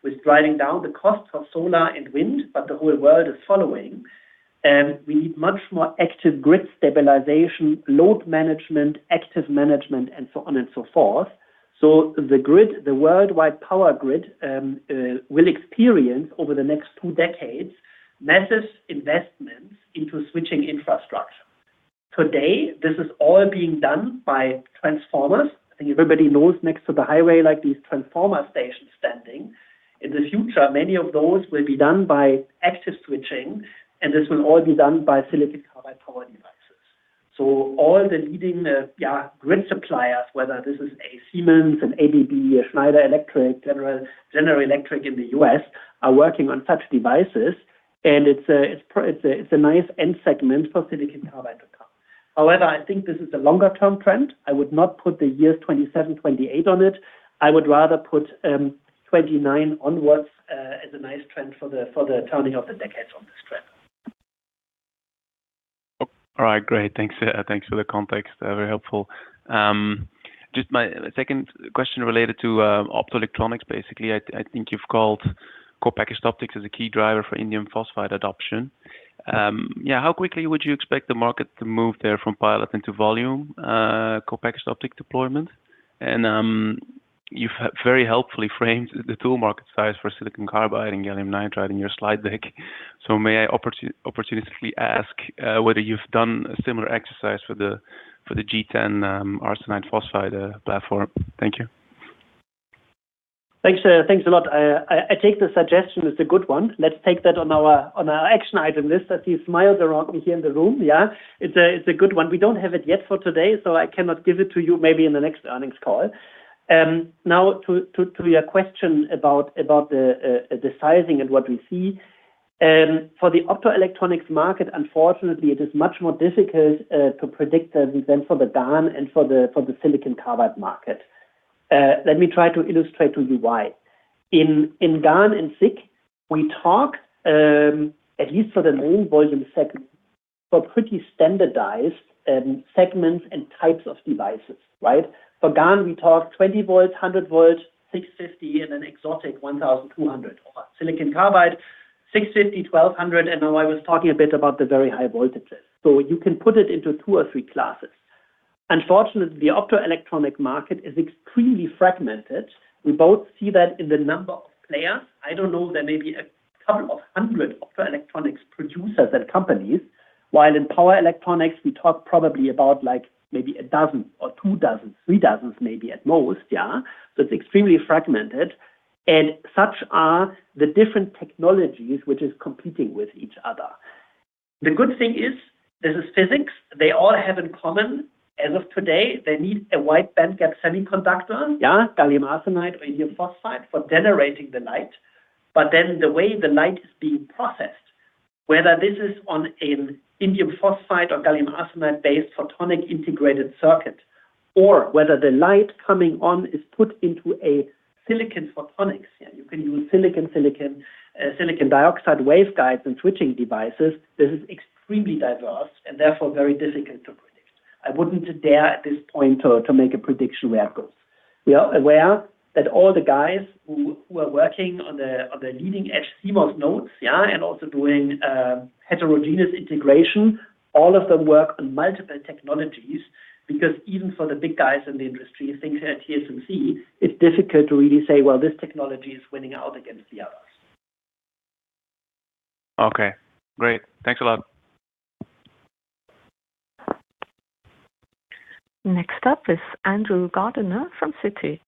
with driving down the costs of solar and wind, but the whole world is following. We need much more active grid stabilization, load management, active management, and so on and so forth. The worldwide power grid will experience over the next two decades massive investments into switching infrastructure. Today, this is all being done by transformers. I think everybody knows next to the highway, like these transformer stations standing. In the future, many of those will be done by active switching, and this will all be done by silicon power devices. All the leading grid suppliers, whether this is a Siemens, an ABB, a Schneider Electric, General Electric in the U.S., are working on such devices. It's a nice end segment for Silicon Carbide. However, I think this is a longer term trend. I would not put the years 2027, 2028 on it. I would rather put 2029 onwards as a nice trend for the turning of the decades on this trend. All right, great. Thanks for the context, very helpful. Just my second question related to Optoelectronics. Basically, I think you've called co-packaged optics as a key driver for indium phosphide adoption. How quickly would you expect the market to move there from pilot into volume, co-packaged optic to deployment? You've very helpfully framed the tool market size for Silicon Carbide and Gallium Nitride in your slide deck. May I opportunistically ask whether you've done a similar exercise for the G10-AsP platform? Thank you. Thanks, thanks a lot. I take the suggestion. It's a good one. Let's take that on our action item list. He smiled around me here in the room. Yeah, it's a good one. We don't have it yet for today, so I cannot give it to you. Maybe in the next earnings call. Now to your question about the sizing and what we see for the Optoelectronics market. Unfortunately, it is much more difficult to predict than for the GaN and for the Silicon Carbide market. Let me try to illustrate to you why. In GaN, in SiC, we talked at least for the main volume segment, for pretty standardized segments and types of devices. Right. For GaN we talk 20 volts, 100 volt, 650 and an exotic 1200. Silicon carbide, 650, 1200. Now I was talking a bit about the very high voltages. You can put it into two or three classes. Unfortunately, the Optoelectronic market is extremely fragmented. We both see that in the number of players. I don't know, there may be a couple of hundred electronics producers and companies, while in power electronics we talk probably about maybe a dozen or two dozen, three dozens maybe at most. It's extremely fragmented and such are the different technologies which is competing with each other. The good thing is this is physics. They all have in common. As of today, they need a wide band gap semiconductor. Yeah. Gallium arsenide or indium phosphide for generating the light. Then the way the light is being processed, whether this is on an indium phosphide or gallium arsenide based photonic integrated circuit or whether the light coming on is put into a silicon photonics, you can use silicon, silicon silicon dioxide waveguides and switching devices. This is extremely diverse and therefore very difficult to predict. I wouldn't dare at this point to make a prediction where it goes. We are aware that all the guys who are working on the leading edge CMOS nodes and also doing heterogeneous integration, all of them work on multiple technologies. Even for the big guys in the industry thinking at TSMC, it's difficult to really say, this technology is winning out against the others. Okay, great, thanks a lot. Next up is Andrew Gardiner from Citi.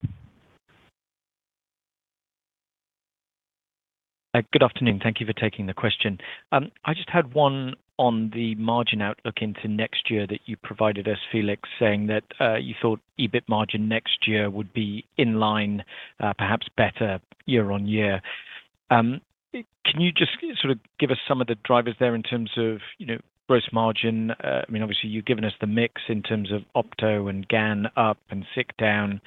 Good afternoon. Thank you for taking the question. I just had one on the margin outlook into next year that you provided us, Felix, saying that you thought EBIT margin next year would be in line, perhaps better year on year. Can you just sort of give us some of the drivers there in terms of, you know, gross margin? I mean obviously you've given us the mix in terms of opto and GaN up and SiC down.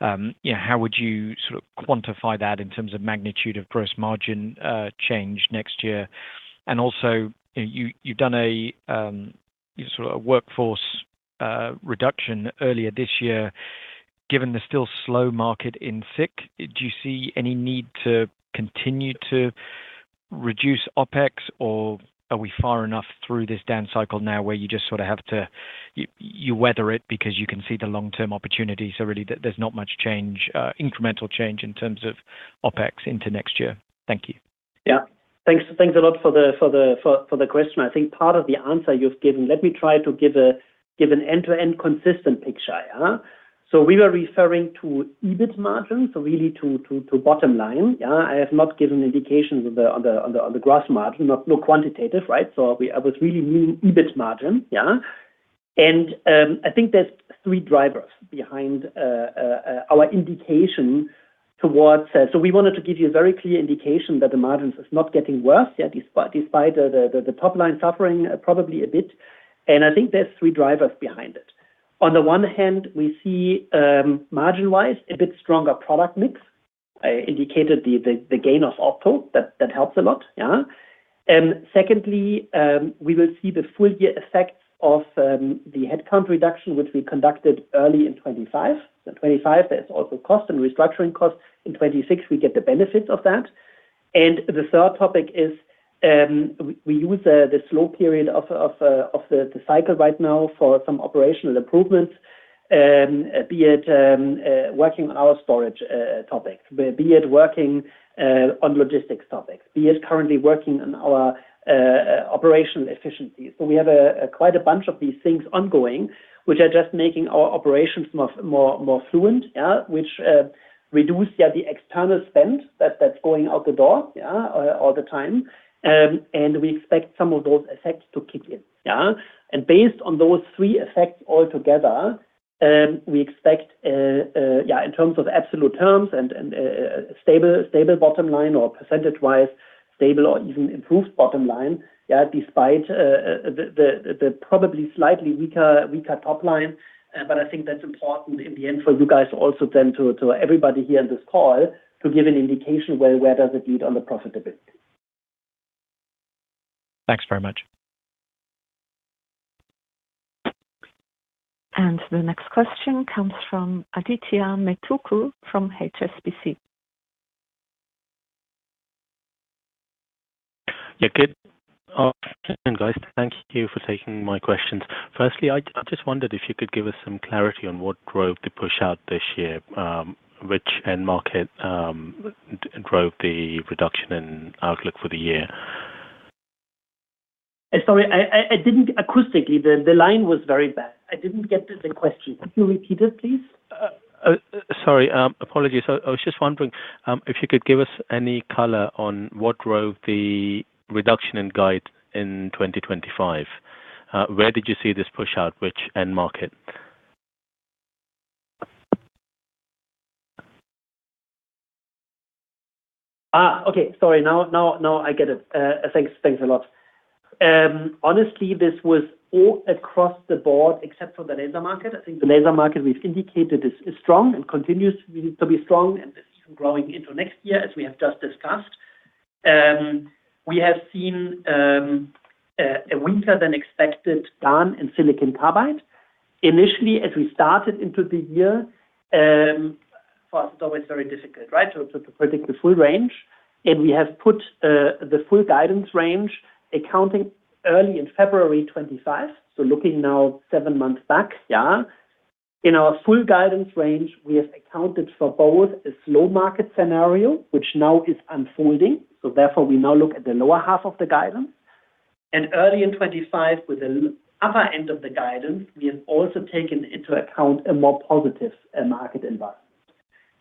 How would you sort of quantify that in terms of magnitude of gross margin change next year? Also, you've done a sort of workforce reduction earlier this year. Given the still slow market in SiC, do you see any need to continue to reduce OpEx or are we far enough through this down cycle now where you just sort of have to weather it because you can see the long term opportunity? Really there's not much change, incremental change in terms of OpEx into next year. Thank you. Yeah, thanks. Thanks a lot for the question. I think part of the answer you've given. Let me try to give an end to end consistent picture. We were referring to EBIT margins really to bottom line. I have not given indications on the gross margin. Not more quantitative. Right. I was really mean EBIT margin. I think there's three drivers behind our indication towards. We wanted to give you a very clear indication that the margins is not getting worse yet despite the top line suffering probably a bit. I think there's three drivers behind it. On the one hand we see margin wise a bit stronger product mix. I indicated the gain of output that helps a lot. Secondly, we will see the full year effect of the headcount reduction which we conducted early in 2025. There's also cost and restructuring costs in 2026. We get the benefits of that. The third topic is we use the slow period of the cycle right now for some operational improvements, be it working on our storage topics, be it working on logistics topics, be it currently working on our operational efficiencies. We have quite a bunch of these things ongoing which are just making our operations more fluent, which reduce the external spend that's going out the door all the time, and we expect some of those effects to kick in. Based on those three effects altogether, we expect in terms of absolute terms a stable bottom line or percentage wise stable or even improved bottom line despite the probably slightly weaker top line. I think that's important in the end for you guys, also then to everybody here in this call, to give an indication where does it look on the profitability. Thanks very much. The next question comes from Adithya Metuku from HSBC. Yeah, good afternoon guys. Thank you for taking my questions. Firstly, I just wondered if you could give us some clarity on what drove the push out this year. Which end market drove the reduction in outlook for the year? Sorry, I didn't acoustically, the line was very bad. I didn't get the question. Could you repeat it please? Sorry, apologies. I was just wondering if you could give us any color on what drove the reduction in guide in 2025. Where did you see this push out? Which end market? Ah, okay, sorry. Now I get it. Thanks, thanks a lot. Honestly, this was all across the board except for the laser market. I think the laser market we've indicated is strong and continues to be strong and growing into next year. As we have just discussed, we have seen a weaker than expected GaN in Silicon Carbide initially as we started into the year. For us it's always very difficult to predict the full range and we have put the full guidance range accounting early in February 25th. Looking now seven months back, in our full guidance range we have accounted for both a slow market scenario which now is unfolding. Therefore, we now look at the lower half of the guidance and early in 2025 with the other end of the guidance we have also taken into account a more positive market environment.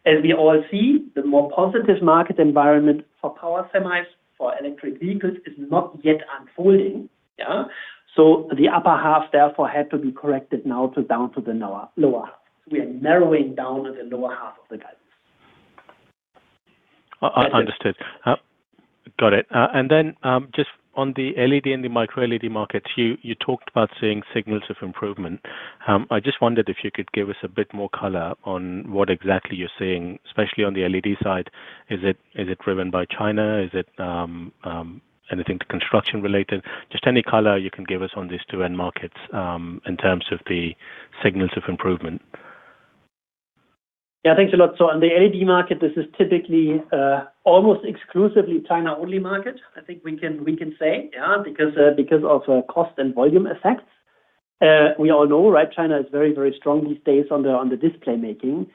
As we all see, the more positive market environment for power semis for electric vehicles is not yet unfolding. The upper half therefore had to be corrected now down to the lower half. We are narrowing down the lower half of the guidance. Understood, got it. Just on the LED and the Micro LED markets, you talked about seeing signals of improvement. I just wondered if you could give us a bit more color on what exactly you're seeing, especially on the LED side. Is it driven by China? Is it anything construction related? Just any color you can give us on these two end markets in terms of the signals of improvement. Yeah, thanks a lot. On the LED market, this is typically almost exclusively a China-only market, I think we can say, because of cost and volume effects. We all know China is very, very strong these days on display making.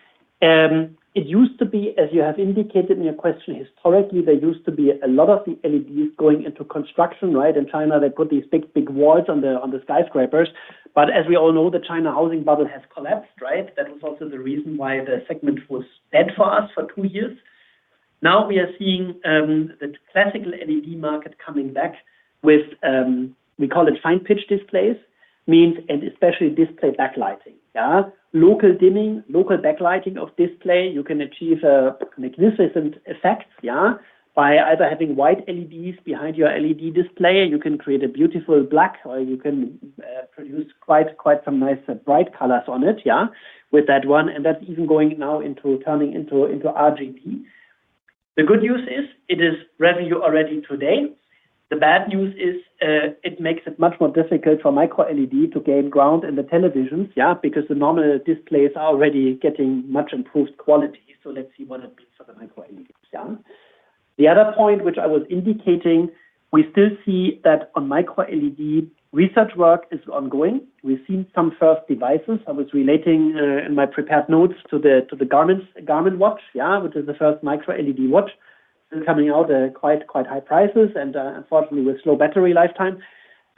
It used to be, as you have indicated in your question, historically there used to be a lot of the LEDs going into construction. In China, they put these big, big walls on the skyscrapers. As we all know, the China housing bubble has collapsed. That was also the reason why the segment was dead for us for two years. Now we are seeing the classical LED market coming back with what we call fine pitch displays, and especially display backlighting, local dimming, local backlighting of display. You can achieve magnificent effects by either having white LEDs behind your LED display. You can create a beautiful black, or you can produce quite some nice bright colors on it with that one, and that's even going now into turning into RGB. The good news is it is revenue already today. The bad news is it makes it much more difficult for Micro LED to gain ground in the televisions because the normal displays are already getting much improved quality. Let's see what it means for Micro LED. The other point which I was indicating, we still see that on Micro LED research work is ongoing. We've seen some first devices. I was relating in my prepared notes to the Garmin watch, which is the first Micro LED watch coming out, quite high prices and unfortunately with low battery lifetime.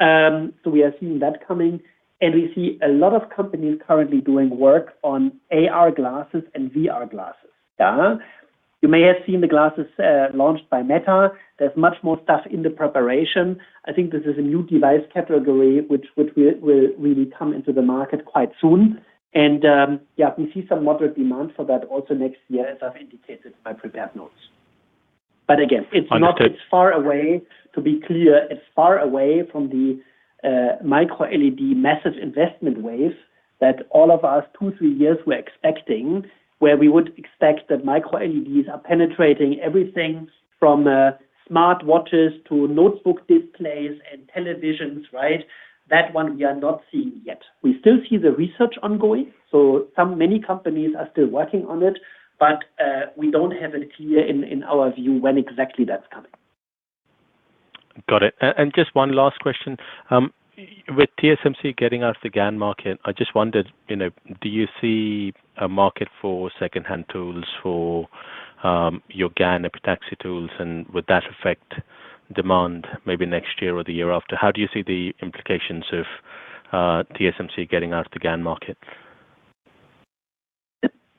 We are seeing that coming, and we see a lot of companies currently doing work on AR glasses and VR glasses. You may have seen the glasses launched by Meta. There's much more stuff in the preparation. I think this is a new device category which will really come into the market quite soon, and we see some moderate demand for that also next year, as I've indicated in my prepared notes. Again, it's far away, to be clear, it's far away from the Micro LED massive investment wave that all of us, two, three years ago, were expecting, where we would expect that Micro LEDs are penetrating everything from smart watches to notebook displays and televisions. That one we are not seeing yet. We still see the research ongoing, so many companies are still working on it, but we don't have it here in our view when exactly. That's. Got it. Just one last question. With TSMC getting out of the GaN market, I just wondered, do you see a market for secondhand tools, for your GaN epitaxy tools, and would that affect demand maybe next year or the year after? How do you see the implications of TSMC getting out of the GaN market?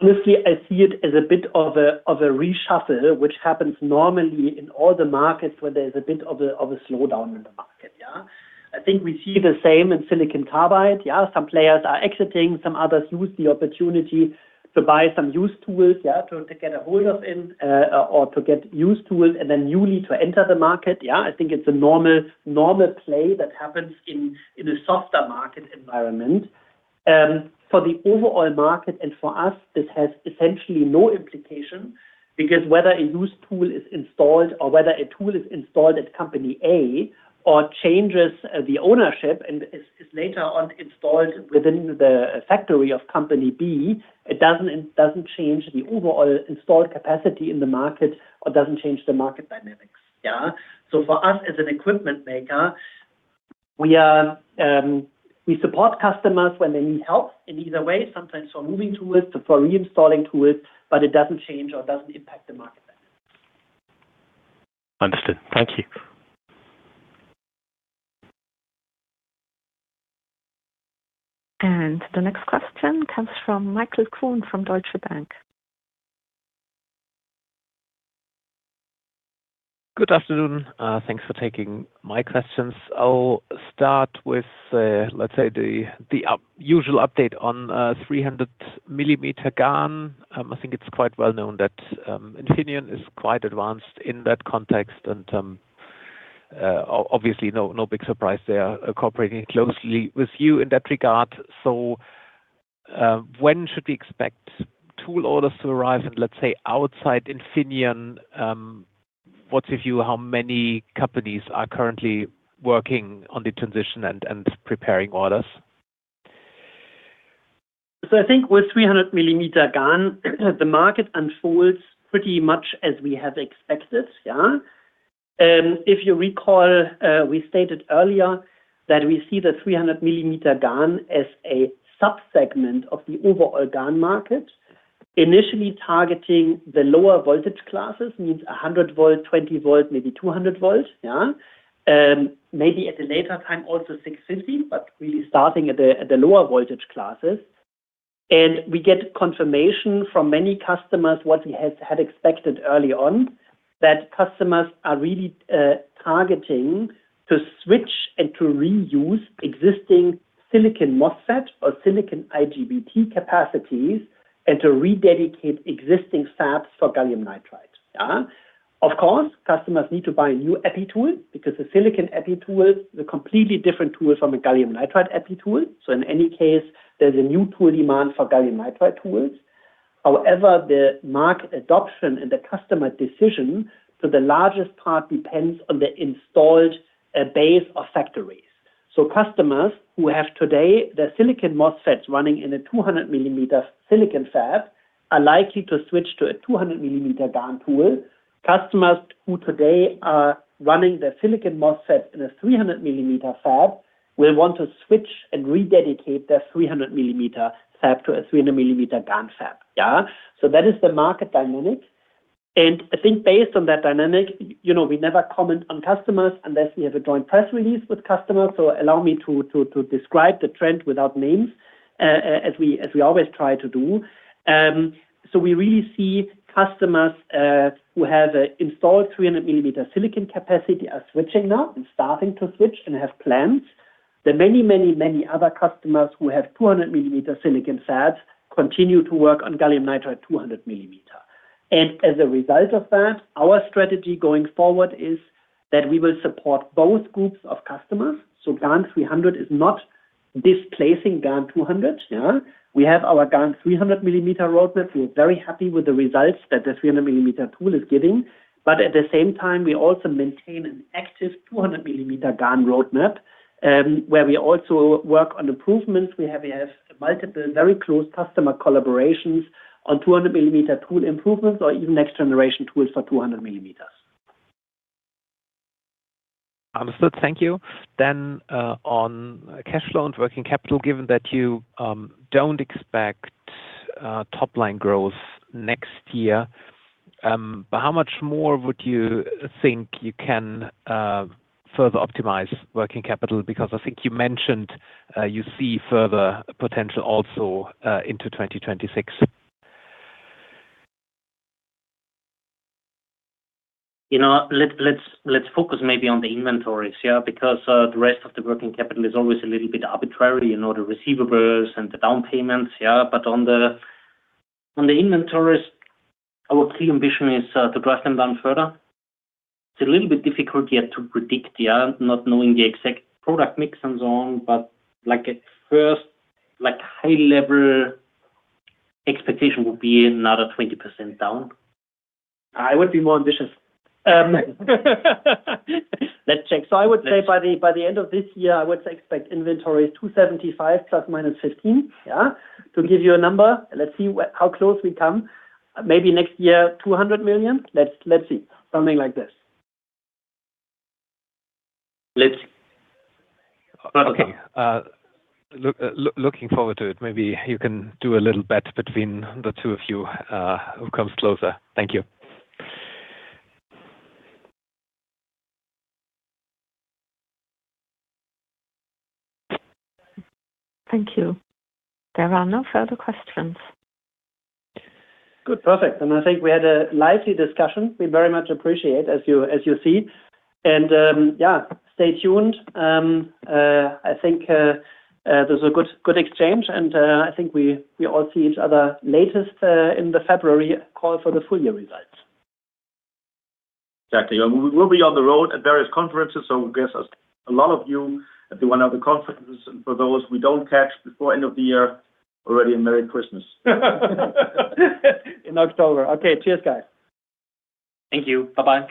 I see it as a bit of a reshuffle which happens normally in all the markets where there's a bit of a slowdown in the market. I think we see the same in Silicon Carbide. Some players are exiting, some others use the opportunity to buy some used tools to get a hold of or to get used to it and then newly to enter the market. I think it's a normal play that happens in a softer market environment for the overall market. For us this has essentially no implication because whether a used tool is installed or whether a tool is installed at company A or changes the ownership and is later on installed within the factory of company B, it doesn't change the overall installed capacity in the market or doesn't change the market dynamics. For us as an equipment maker, we support customers when they need help in either way, sometimes for moving to it, for reinstalling to it, but it doesn't change or doesn't impact the market. Understood, thank you. The next question comes from Michael Kuhn from Deutsche Bank. Good afternoon. Thanks for taking my questions. I'll start with, let's say, the usual update on 300-millimeter GaN. I think it's quite well known that Infineon Technologies is quite advanced in that context, and obviously no big surprise, they are cooperating closely with you in that regard. When should we expect tool orders to arrive, and let's say outside Infineon Technologies, what's your view? How many companies are currently working on the transition and preparing orders? I think with 300-millimeter GaN, the market unfolds pretty much as we have expected. If you recall, we stated earlier that we see the 300-millimeter GaN as a subsegment of the overall GaN market. Initially targeting the lower voltage classes means 100-volt, 20-volt, maybe 200-volt. Maybe at a later time, also 650, but really starting at the lower voltage classes and we get confirmation from many customers. What we had expected early on is that customers are really targeting to switch and to reuse existing silicon MOSFET or silicon IGBT capacities and to rededicate existing fab for Gallium Nitride. Of course, customers need to buy a new EPI tool because the silicon EPI tool is a completely different tool from a Gallium Nitride EPI tool. In any case, there's a new tool demand for Gallium Nitride tools. However, the market adoption and the customer decision to the largest part depends on the installed base of factories. Customers who have today their silicon MOSFETs running in a 200-millimeter silicon fab are likely to switch to a 200-millimeter GaN tool. Customers who today are running the silicon MOSFET in a 300-millimeter fab will want to switch and rededicate their 300-millimeter fab to a 300-millimeter GaN fab. That is the market dynamic. Based on that dynamic, you know, we never comment on customers unless we have a joint press release with customers. Allow me to describe the trend without names as we always try to do. We really see customers who have installed 300-millimeter silicon capacity are switching now and starting to switch and have plans. The many, many, many other customers who have 200-millimeter silicon fabs continue to work on Gallium Nitride 200-millimeter. As a result of that, our strategy going forward is that we will support both groups of customers. GaN 300 is not displacing GaN 200. We have our GaN 300-millimeter roadmap. We're very happy with the results that the 300-millimeter tool is giving. At the same time, we also maintain an active 200-millimeter GaN roadmap where we also work on improvements. We have multiple very close customer collaborations on 200-millimeter tool improvements or even next generation tools for 200-millimeters. Understood, thank you. On cash flow and working capital, given that you don't expect top line growth next year, how much more would you think you can further optimize working capital? Because I think you mentioned you see further potential also into 2026. Let's focus maybe on the inventories. The rest of the working capital is always a little bit arbitrary, the receivables and the down payments. On the inventories, our key ambition is to drive them down further. It's a little bit difficult yet to predict, not knowing the exact product mix and so on. At first, high level expectation would be another 20% down. I would be more ambitious. Let's check. I would say by the end of this year I would expect inventory $275 million plus $15 million, to give you a number. Let's see how close we come. Maybe next year, $200 million. Let's see, something like this. OK. Looking forward to it. Maybe you can do a little bit between the two of you who comes closer. Thank you. Thank you. There are no further questions. Good. Perfect. I think we had a lively discussion. We very much appreciate, as you see, and stay tuned. I think there's a good exchange and I think we all see each other, latest in the February call for the full year results. Exactly. We will be on the road at various conferences. A lot of you at one of the conferences. For those we don't catch before end of the year, already a Merry Christmas. In October. OK, cheers guys. Thank you. Bye bye.